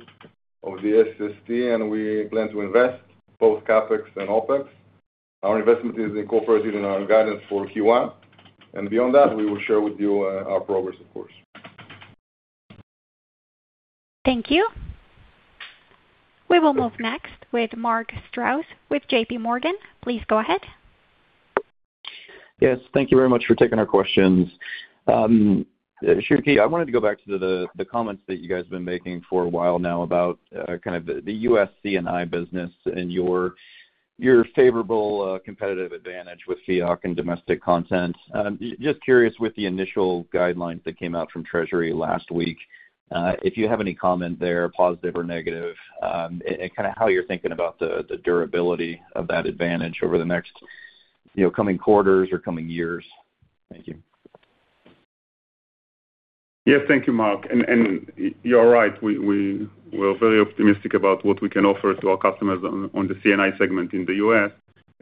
of the SST, and we plan to invest both CapEx and OpEx. Our investment is incorporated in our guidance for Q1. Beyond that, we will share with you our progress, of course. Thank you. We will move next with Mark Strouse with JP Morgan. Please go ahead. Yes, thank you very much for taking our questions. Shuki, I wanted to go back to the, the comments that you guys have been making for a while now about, kind of the, the U.S. C&I business and your, your favorable, competitive advantage with FEOC and domestic content. Just curious, with the initial guidelines that came out from Treasury last week, if you have any comment there, positive or negative, and, and kind of how you're thinking about the, the durability of that advantage over the next, you know, coming quarters or coming years? Thank you. Yes, thank you, Mark. And you're right, we're very optimistic about what we can offer to our customers on the C&I segment in the U.S.,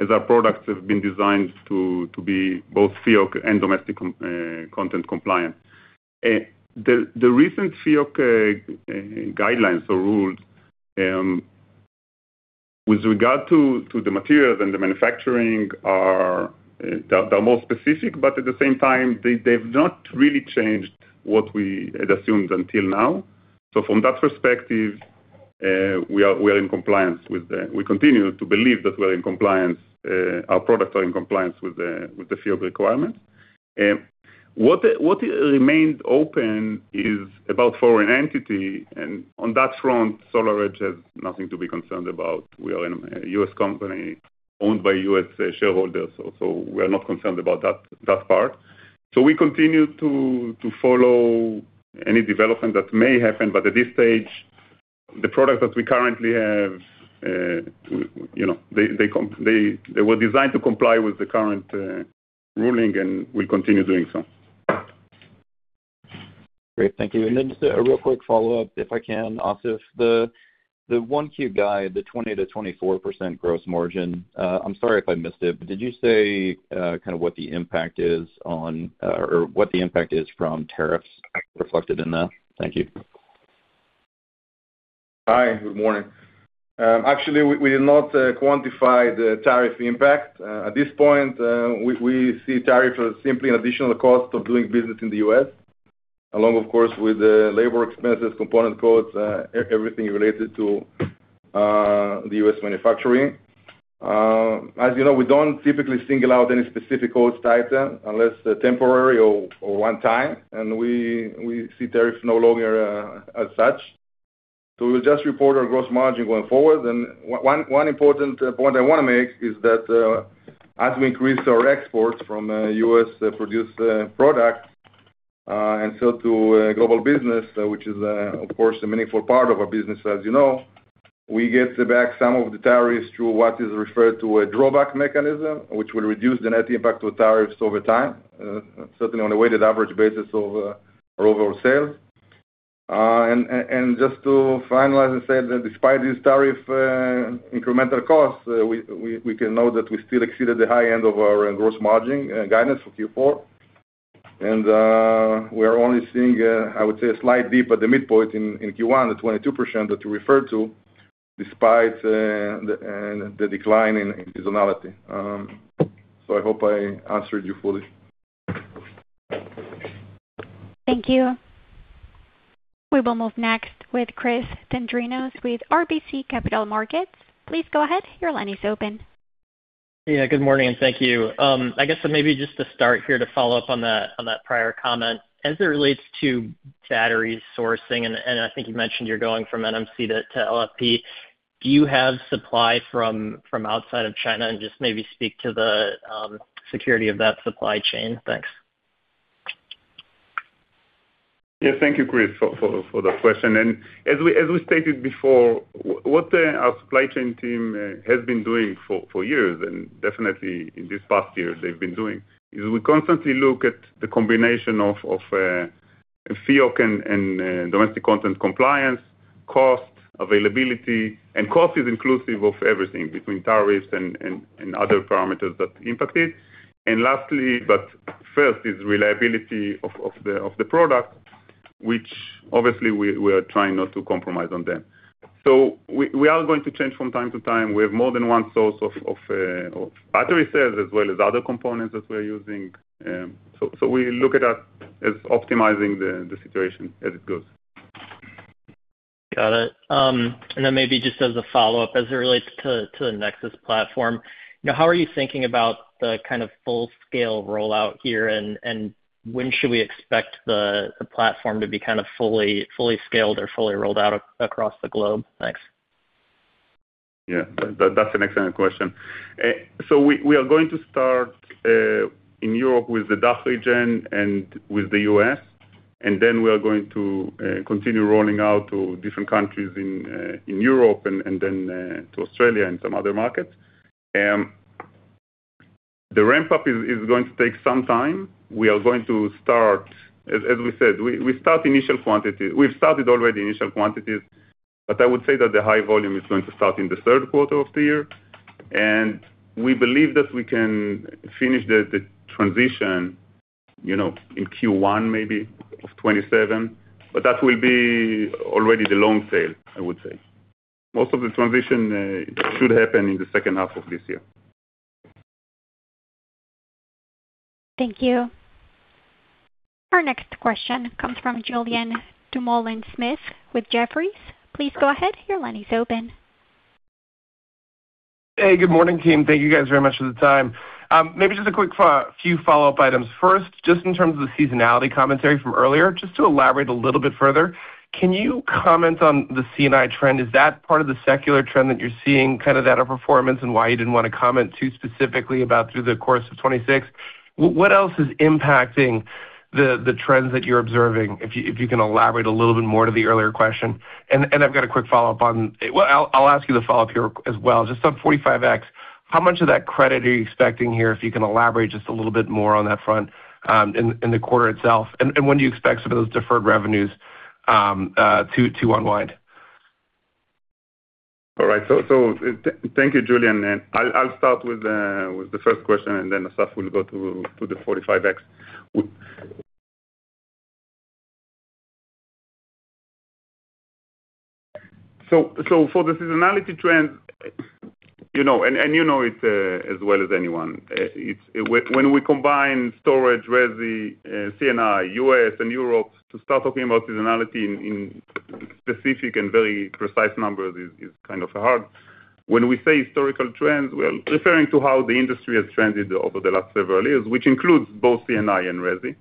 as our products have been designed to be both FEOC and domestic content compliant. The recent FEOC guidelines or rules with regard to the materials and the manufacturing are more specific, but at the same time, they've not really changed what we had assumed until now. So from that perspective, we are in compliance with the FEOC. We continue to believe that we're in compliance, our products are in compliance with the FEOC requirements. What remains open is about foreign entity, and on that front, SolarEdge has nothing to be concerned about. We are a U.S. company owned by U.S. shareholders, so we are not concerned about that part. So we continue to follow any development that may happen, but at this stage, the products that we currently have, you know, they were designed to comply with the current ruling and will continue doing so. Great. Thank you. Then just a real quick follow-up, if I can, Asaf. The Q1 guide, the 20%-24% gross margin, I'm sorry if I missed it, but did you say kind of what the impact is on, or what the impact is from tariffs reflected in that? Thank you.... Hi, good morning. Actually, we did not quantify the tariff impact. At this point, we see tariffs as simply an additional cost of doing business in the U.S., along, of course, with the labor expenses, component costs, everything related to the U.S. manufacturing. As you know, we don't typically single out any specific cost type, unless they're temporary or one time, and we see tariffs no longer as such. So we'll just report our gross margin going forward. And one important point I wanna make is that, as we increase our exports from US-produced product and sell to global business, which is, of course, a meaningful part of our business, as you know, we get back some of the tariffs through what is referred to a drawback mechanism, which will reduce the net impact to tariffs over time, certainly on a weighted average basis of our overall sales. And just to finalize and say that despite these tariff incremental costs, we can note that we still exceeded the high end of our gross margin guidance for Q4. We are only seeing, I would say, a slight dip at the midpoint in Q1, the 22% that you referred to, despite the decline in seasonality. So I hope I answered you fully. Thank you. We will move next with Chris Dendrinos with RBC Capital Markets. Please go ahead. Your line is open. Yeah, good morning, and thank you. I guess so maybe just to start here, to follow up on that, on that prior comment. As it relates to battery sourcing, and, and I think you mentioned you're going from NMC to, to LFP, do you have supply from, from outside of China? And just maybe speak to the security of that supply chain. Thanks. Yeah. Thank you, Chris, for the question. And as we stated before, what our supply chain team has been doing for years, and definitely in this past year, they've been doing, is we constantly look at the combination of FEOC and domestic content compliance, cost, availability, and cost is inclusive of everything between tariffs and other parameters that impact it. And lastly, but first, is reliability of the product, which obviously we are trying not to compromise on them. So we are going to change from time to time. We have more than one source of battery cells as well as other components that we're using. So we look at that as optimizing the situation as it goes. Got it. And then maybe just as a follow-up, as it relates to the Nexus platform, you know, how are you thinking about the kind of full-scale rollout here? And when should we expect the platform to be kind of fully scaled or fully rolled out across the globe? Thanks. Yeah, that, that's an excellent question. So we are going to start in Europe with the DACH region and with the U.S., and then we are going to continue rolling out to different countries in Europe and then to Australia and some other markets. The ramp-up is going to take some time. We are going to start. As we said, we start initial quantity. We've started already initial quantities, but I would say that the high volume is going to start in the third quarter of the year, and we believe that we can finish the transition, you know, in Q1, maybe, of 2027, but that will be already the long tail, I would say. Most of the transition should happen in the second half of this year. Thank you. Our next question comes from Julien Dumoulin-Smith with Jefferies. Please go ahead. Your line is open. Hey, good morning, team. Thank you guys very much for the time. Maybe just a quick few follow-up items. First, just in terms of the seasonality commentary from earlier, just to elaborate a little bit further, can you comment on the C&I trend? Is that part of the secular trend that you're seeing, kind of, that performance, and why you didn't want to comment too specifically about through the course of 2026? What else is impacting the trends that you're observing, if you can elaborate a little bit more to the earlier question? And I've got a quick follow-up on... Well, I'll ask you the follow-up here as well. Just on 45X, how much of that credit are you expecting here, if you can elaborate just a little bit more on that front, in the quarter itself? When do you expect some of those deferred revenues to unwind? All right. So, thank you, Julien, and I'll start with the first question, and then Asaf will go to the 45X. So, for the seasonality trend, you know, and you know it as well as anyone, it's... When we combine storage, resi, C&I, U.S. and Europe, to start talking about seasonality in specific and very precise numbers is kind of hard. When we say historical trends, we're referring to how the industry has trended over the last several years, which includes both C&I and resi.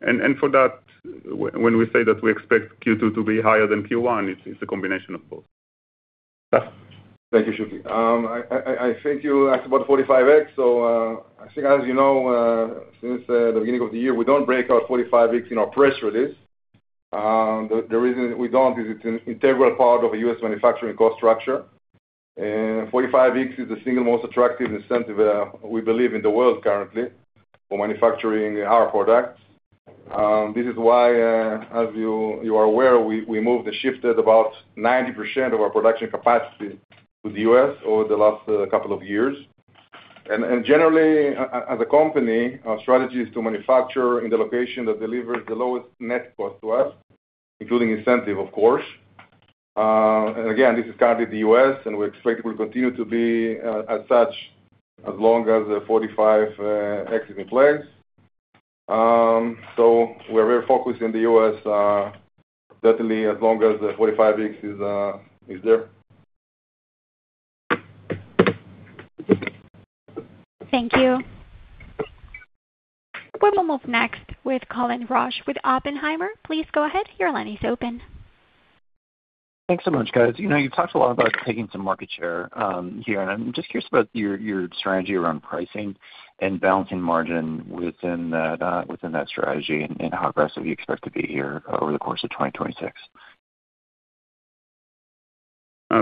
And for that, when we say that we expect Q2 to be higher than Q1, it's a combination of both. Asaf? Thank you, Shuki. I think you asked about 45X, so, I think as you know, since the beginning of the year, we don't break our 45X in our press release. The reason we don't is it's an integral part of the U.S. manufacturing cost structure, and 45X is the single most attractive incentive, we believe in the world currently for manufacturing our products. This is why, as you are aware, we moved the shift at about 90% of our production capacity to the U.S. over the last couple of years.... And generally, as a company, our strategy is to manufacture in the location that delivers the lowest net cost to us, including incentive, of course. And again, this is currently the U.S., and we expect it will continue to be as such, as long as the 45X is in place. So we're very focused in the U.S., certainly as long as the 45X is there. Thank you. We will move next with Colin Rusch with Oppenheimer. Please go ahead. Your line is open. Thanks so much, guys. You know, you've talked a lot about taking some market share here, and I'm just curious about your strategy around pricing and balancing margin within that strategy, and how aggressive you expect to be here over the course of 2026.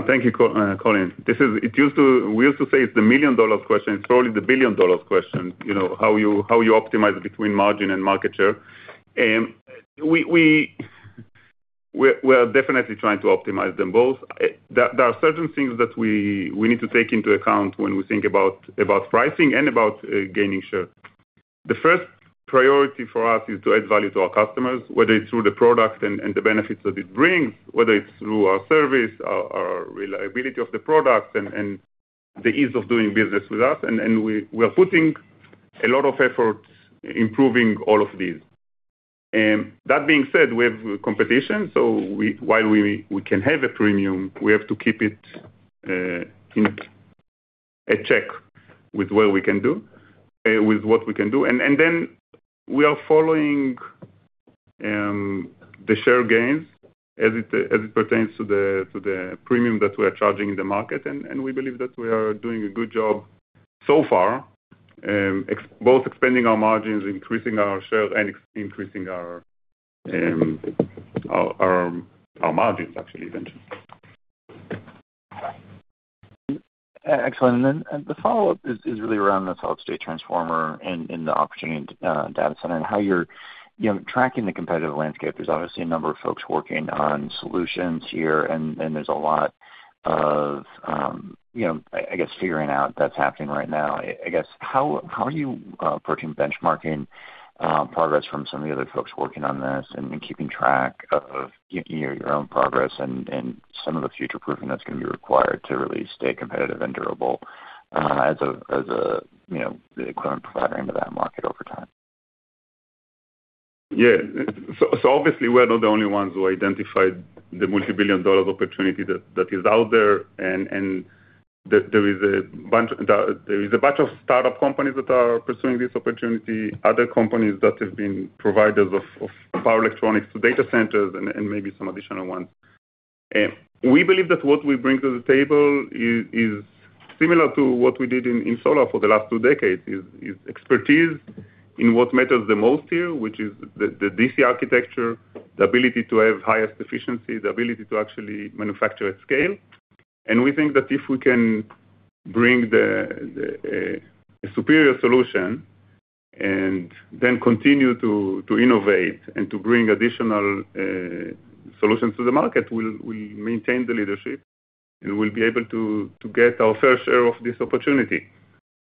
Thank you, Colin. We used to say it's the million-dollar question. It's probably the billion-dollar question, you know, how you optimize between margin and market share. We're definitely trying to optimize them both. There are certain things that we need to take into account when we think about pricing and gaining share. The first priority for us is to add value to our customers, whether it's through the product and the benefits that it brings, whether it's through our service, our reliability of the product, and the ease of doing business with us, and we are putting a lot of efforts improving all of these. That being said, we have competition, so while we can have a premium, we have to keep it in check with what we can do with what we can do. And then we are following the share gains as it pertains to the premium that we are charging in the market, and we believe that we are doing a good job so far. Expanding both our margins, increasing our share, and increasing our margins, actually, even. Excellent. And then, the follow-up is really around the solid-state transformer and the opportunity in data center and how you're, you know, tracking the competitive landscape. There's obviously a number of folks working on solutions here, and there's a lot of, you know, I guess, figuring out that's happening right now. I guess, how are you approaching benchmarking progress from some of the other folks working on this and keeping track of your own progress and some of the future-proofing that's going to be required to really stay competitive and durable, as a, you know, the current provider into that market over time? Yeah. So obviously, we're not the only ones who identified the multi-billion-dollar opportunity that is out there, and there is a bunch of startup companies that are pursuing this opportunity, other companies that have been providers of power electronics to data centers and maybe some additional ones. We believe that what we bring to the table is similar to what we did in solar for the last two decades, expertise in what matters the most here, which is the DC architecture, the ability to have highest efficiency, the ability to actually manufacture at scale. We think that if we can bring a superior solution and then continue to innovate and to bring additional solutions to the market, we'll maintain the leadership, and we'll be able to get our fair share of this opportunity.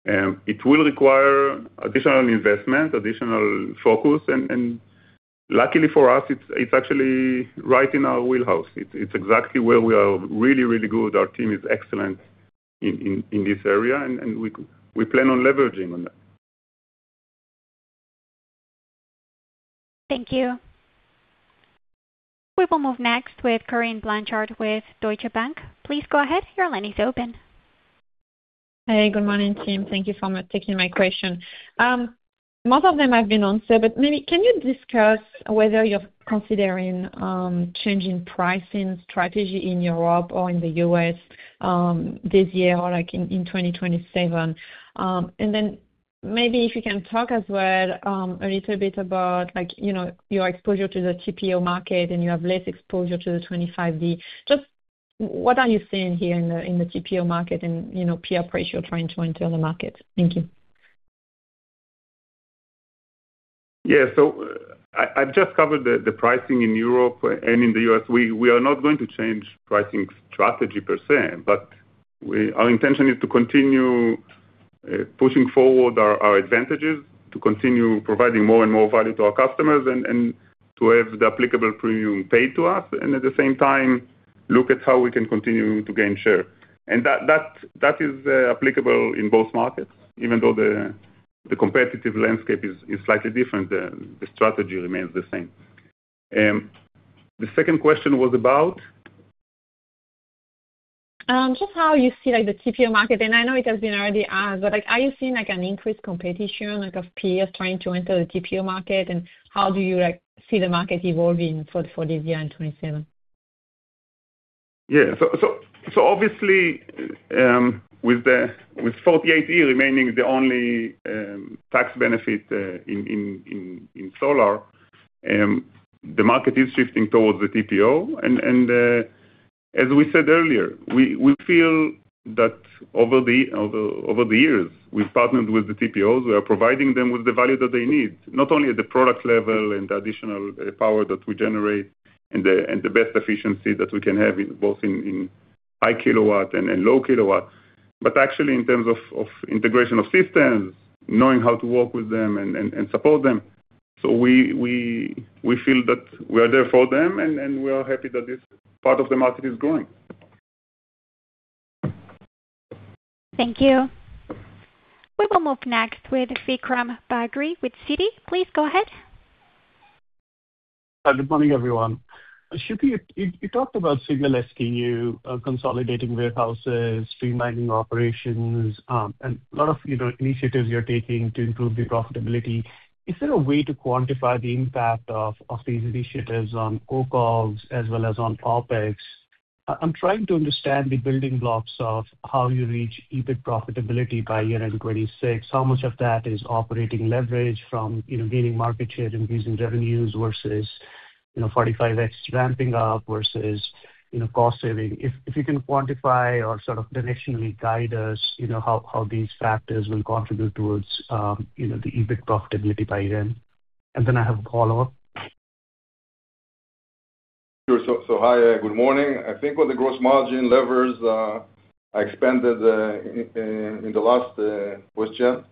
It will require additional investment, additional focus, and luckily for us, it's actually right in our wheelhouse. It's exactly where we are really good. Our team is excellent in this area, and we plan on leveraging on that. Thank you. We will move next with Corinne Blanchard with Deutsche Bank. Please go ahead. Your line is open. Hey, good morning, team. Thank you for taking my question. Most of them have been answered, but maybe can you discuss whether you're considering changing pricing strategy in Europe or in the U.S., this year or, like, in 2027? And then maybe if you can talk as well a little bit about, like, you know, your exposure to the TPO market, and you have less exposure to the 25D. Just what are you seeing here in the TPO market and, you know, peer pressure trying to enter the market? Thank you. Yeah. So I, I've just covered the pricing in Europe and in the U.S. We are not going to change pricing strategy per se, but our intention is to continue pushing forward our advantages, to continue providing more and more value to our customers, and to have the applicable premium paid to us, and at the same time, look at how we can continue to gain share. And that is applicable in both markets. Even though the competitive landscape is slightly different, the strategy remains the same. The second question was about? Just how you see, like, the TPO market, and I know it has been already asked, but, like, are you seeing, like, an increased competition, like, of peers trying to enter the TPO market? And how do you, like, see the market evolving for this year in 2027? Yeah. So obviously, with 48 remaining the only tax benefit in solar, the market is shifting towards the TPO. And as we said earlier, we feel that over the years, we've partnered with the TPOs. We are providing them with the value that they need, not only at the product level and the additional power that we generate and the best efficiency that we can have in both high kilowatt and low kilowatts, but actually in terms of integration of systems, knowing how to work with them and support them.... So we feel that we are there for them, and we are happy that this part of the market is growing. Thank you. We will move next with Vikram Bagri, with Citi. Please go ahead. Hi, good morning, everyone. Shuki, you talked about single SKU, consolidating warehouses, streamlining operations, and a lot of, you know, initiatives you're taking to improve the profitability. Is there a way to quantify the impact of these initiatives on op costs as well as on OpEx? I'm trying to understand the building blocks of how you reach EBIT profitability by year-end 2026. How much of that is operating leverage from, you know, gaining market share, increasing revenues, versus, you know, 45X ramping up, versus, you know, cost saving? If you can quantify or sort of directionally guide us, you know, how these factors will contribute towards, you know, the EBIT profitability by then. And then I have a follow-up. Sure. So hi, good morning. I think on the gross margin levers, I expanded in the last question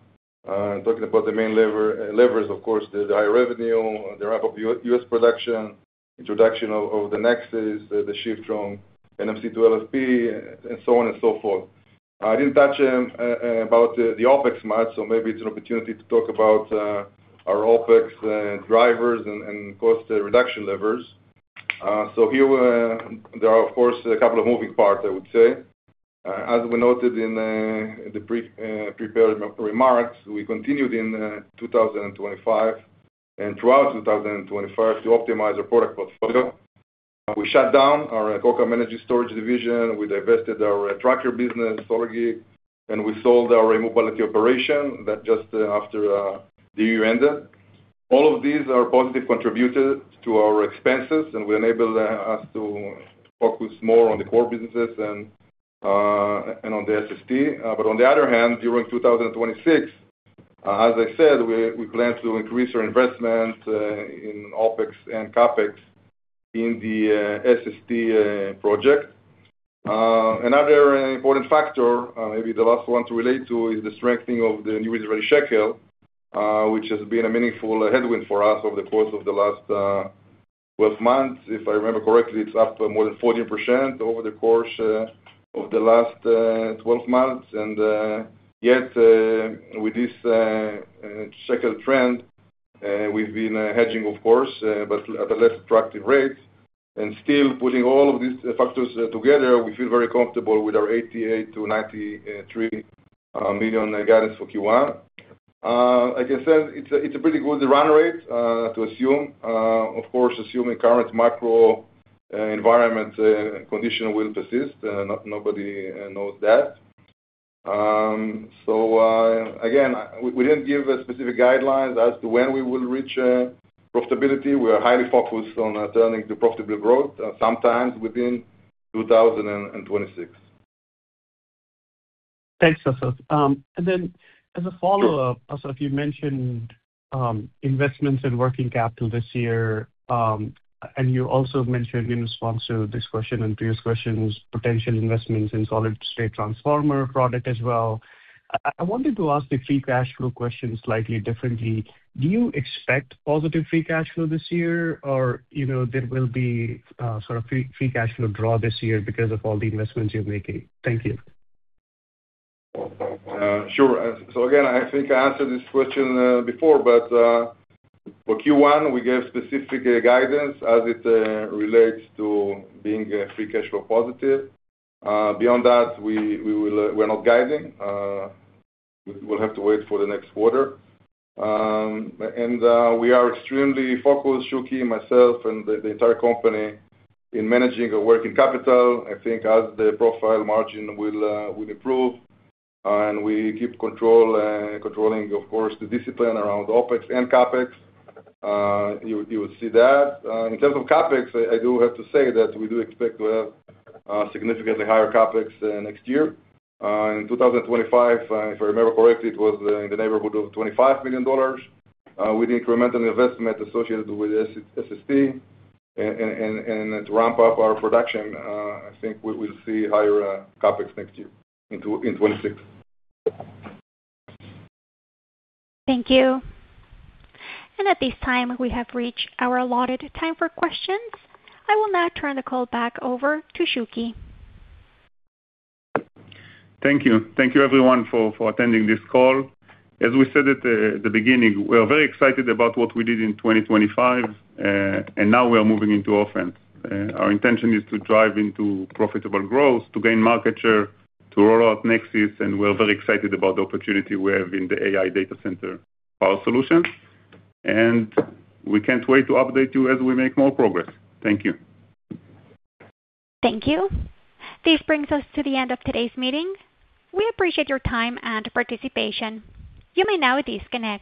talking about the main levers, of course, the high revenue, the ramp up US production, introduction of the Nexus, the shift from NMC to LFP, and so on and so forth. I didn't touch about the OpEx much, so maybe it's an opportunity to talk about our OpEx drivers and cost reduction levers. So there are, of course, a couple of moving parts, I would say. As we noted in the prepared remarks, we continued in 2025, and throughout 2025, to optimize our product portfolio. We shut down our Kokam Energy Storage division, we divested our SolarGik Tracker business, and we sold our e-Mobility operation that just after the year ended. All of these are positive contributors to our expenses, and will enable us to focus more on the core businesses and on the SST. But on the other hand, during 2026, as I said, we plan to increase our investment in OpEx and CapEx in the SST project. Another important factor, maybe the last one to relate to, is the strengthening of the Israeli new shekel, which has been a meaningful headwind for us over the course of the last 12 months. If I remember correctly, it's up to more than 14% over the course of the last 12 months. Yet, with this shekel trend, we've been hedging, of course, but at a less attractive rate. Still, putting all of these factors together, we feel very comfortable with our $88 million-$93 million guidance for Q1. Like I said, it's a pretty good run rate to assume. Of course, assuming current macro environment condition will persist, nobody knows that. So, again, we didn't give specific guidelines as to when we will reach profitability. We are highly focused on returning to profitable growth, sometime within 2026. Thanks, Asaf. And then as a follow-up, Asaf, you mentioned investments in working capital this year. And you also mentioned in response to this question and previous questions, potential investments in solid-state transformer product as well. I wanted to ask the free cash flow question slightly differently. Do you expect positive free cash flow this year, or you know, there will be sort of free cash flow draw this year because of all the investments you're making? Thank you. Sure. So again, I think I answered this question before, but for Q1, we gave specific guidance as it relates to being free cash flow positive. Beyond that, we're not guiding. We'll have to wait for the next quarter. We are extremely focused, Shuki, myself, and the entire company, in managing our working capital. I think as the profile margin will improve, and we keep controlling, of course, the discipline around OpEx and CapEx, you will see that. In terms of CapEx, I do have to say that we do expect to have significantly higher CapEx next year. In 2025, if I remember correctly, it was in the neighborhood of $25 million. With the incremental investment associated with the SS, SST, and to ramp up our production, I think we will see higher CapEx next year, in 2026. Thank you. At this time, we have reached our allotted time for questions. I will now turn the call back over to Shuki. Thank you. Thank you everyone for attending this call. As we said at the beginning, we are very excited about what we did in 2025, and now we are moving into offense. Our intention is to drive into profitable growth, to gain market share, to roll out Nexus, and we're very excited about the opportunity we have in the AI data center power solution. And we can't wait to update you as we make more progress. Thank you. Thank you. This brings us to the end of today's meeting. We appreciate your time and participation. You may now disconnect.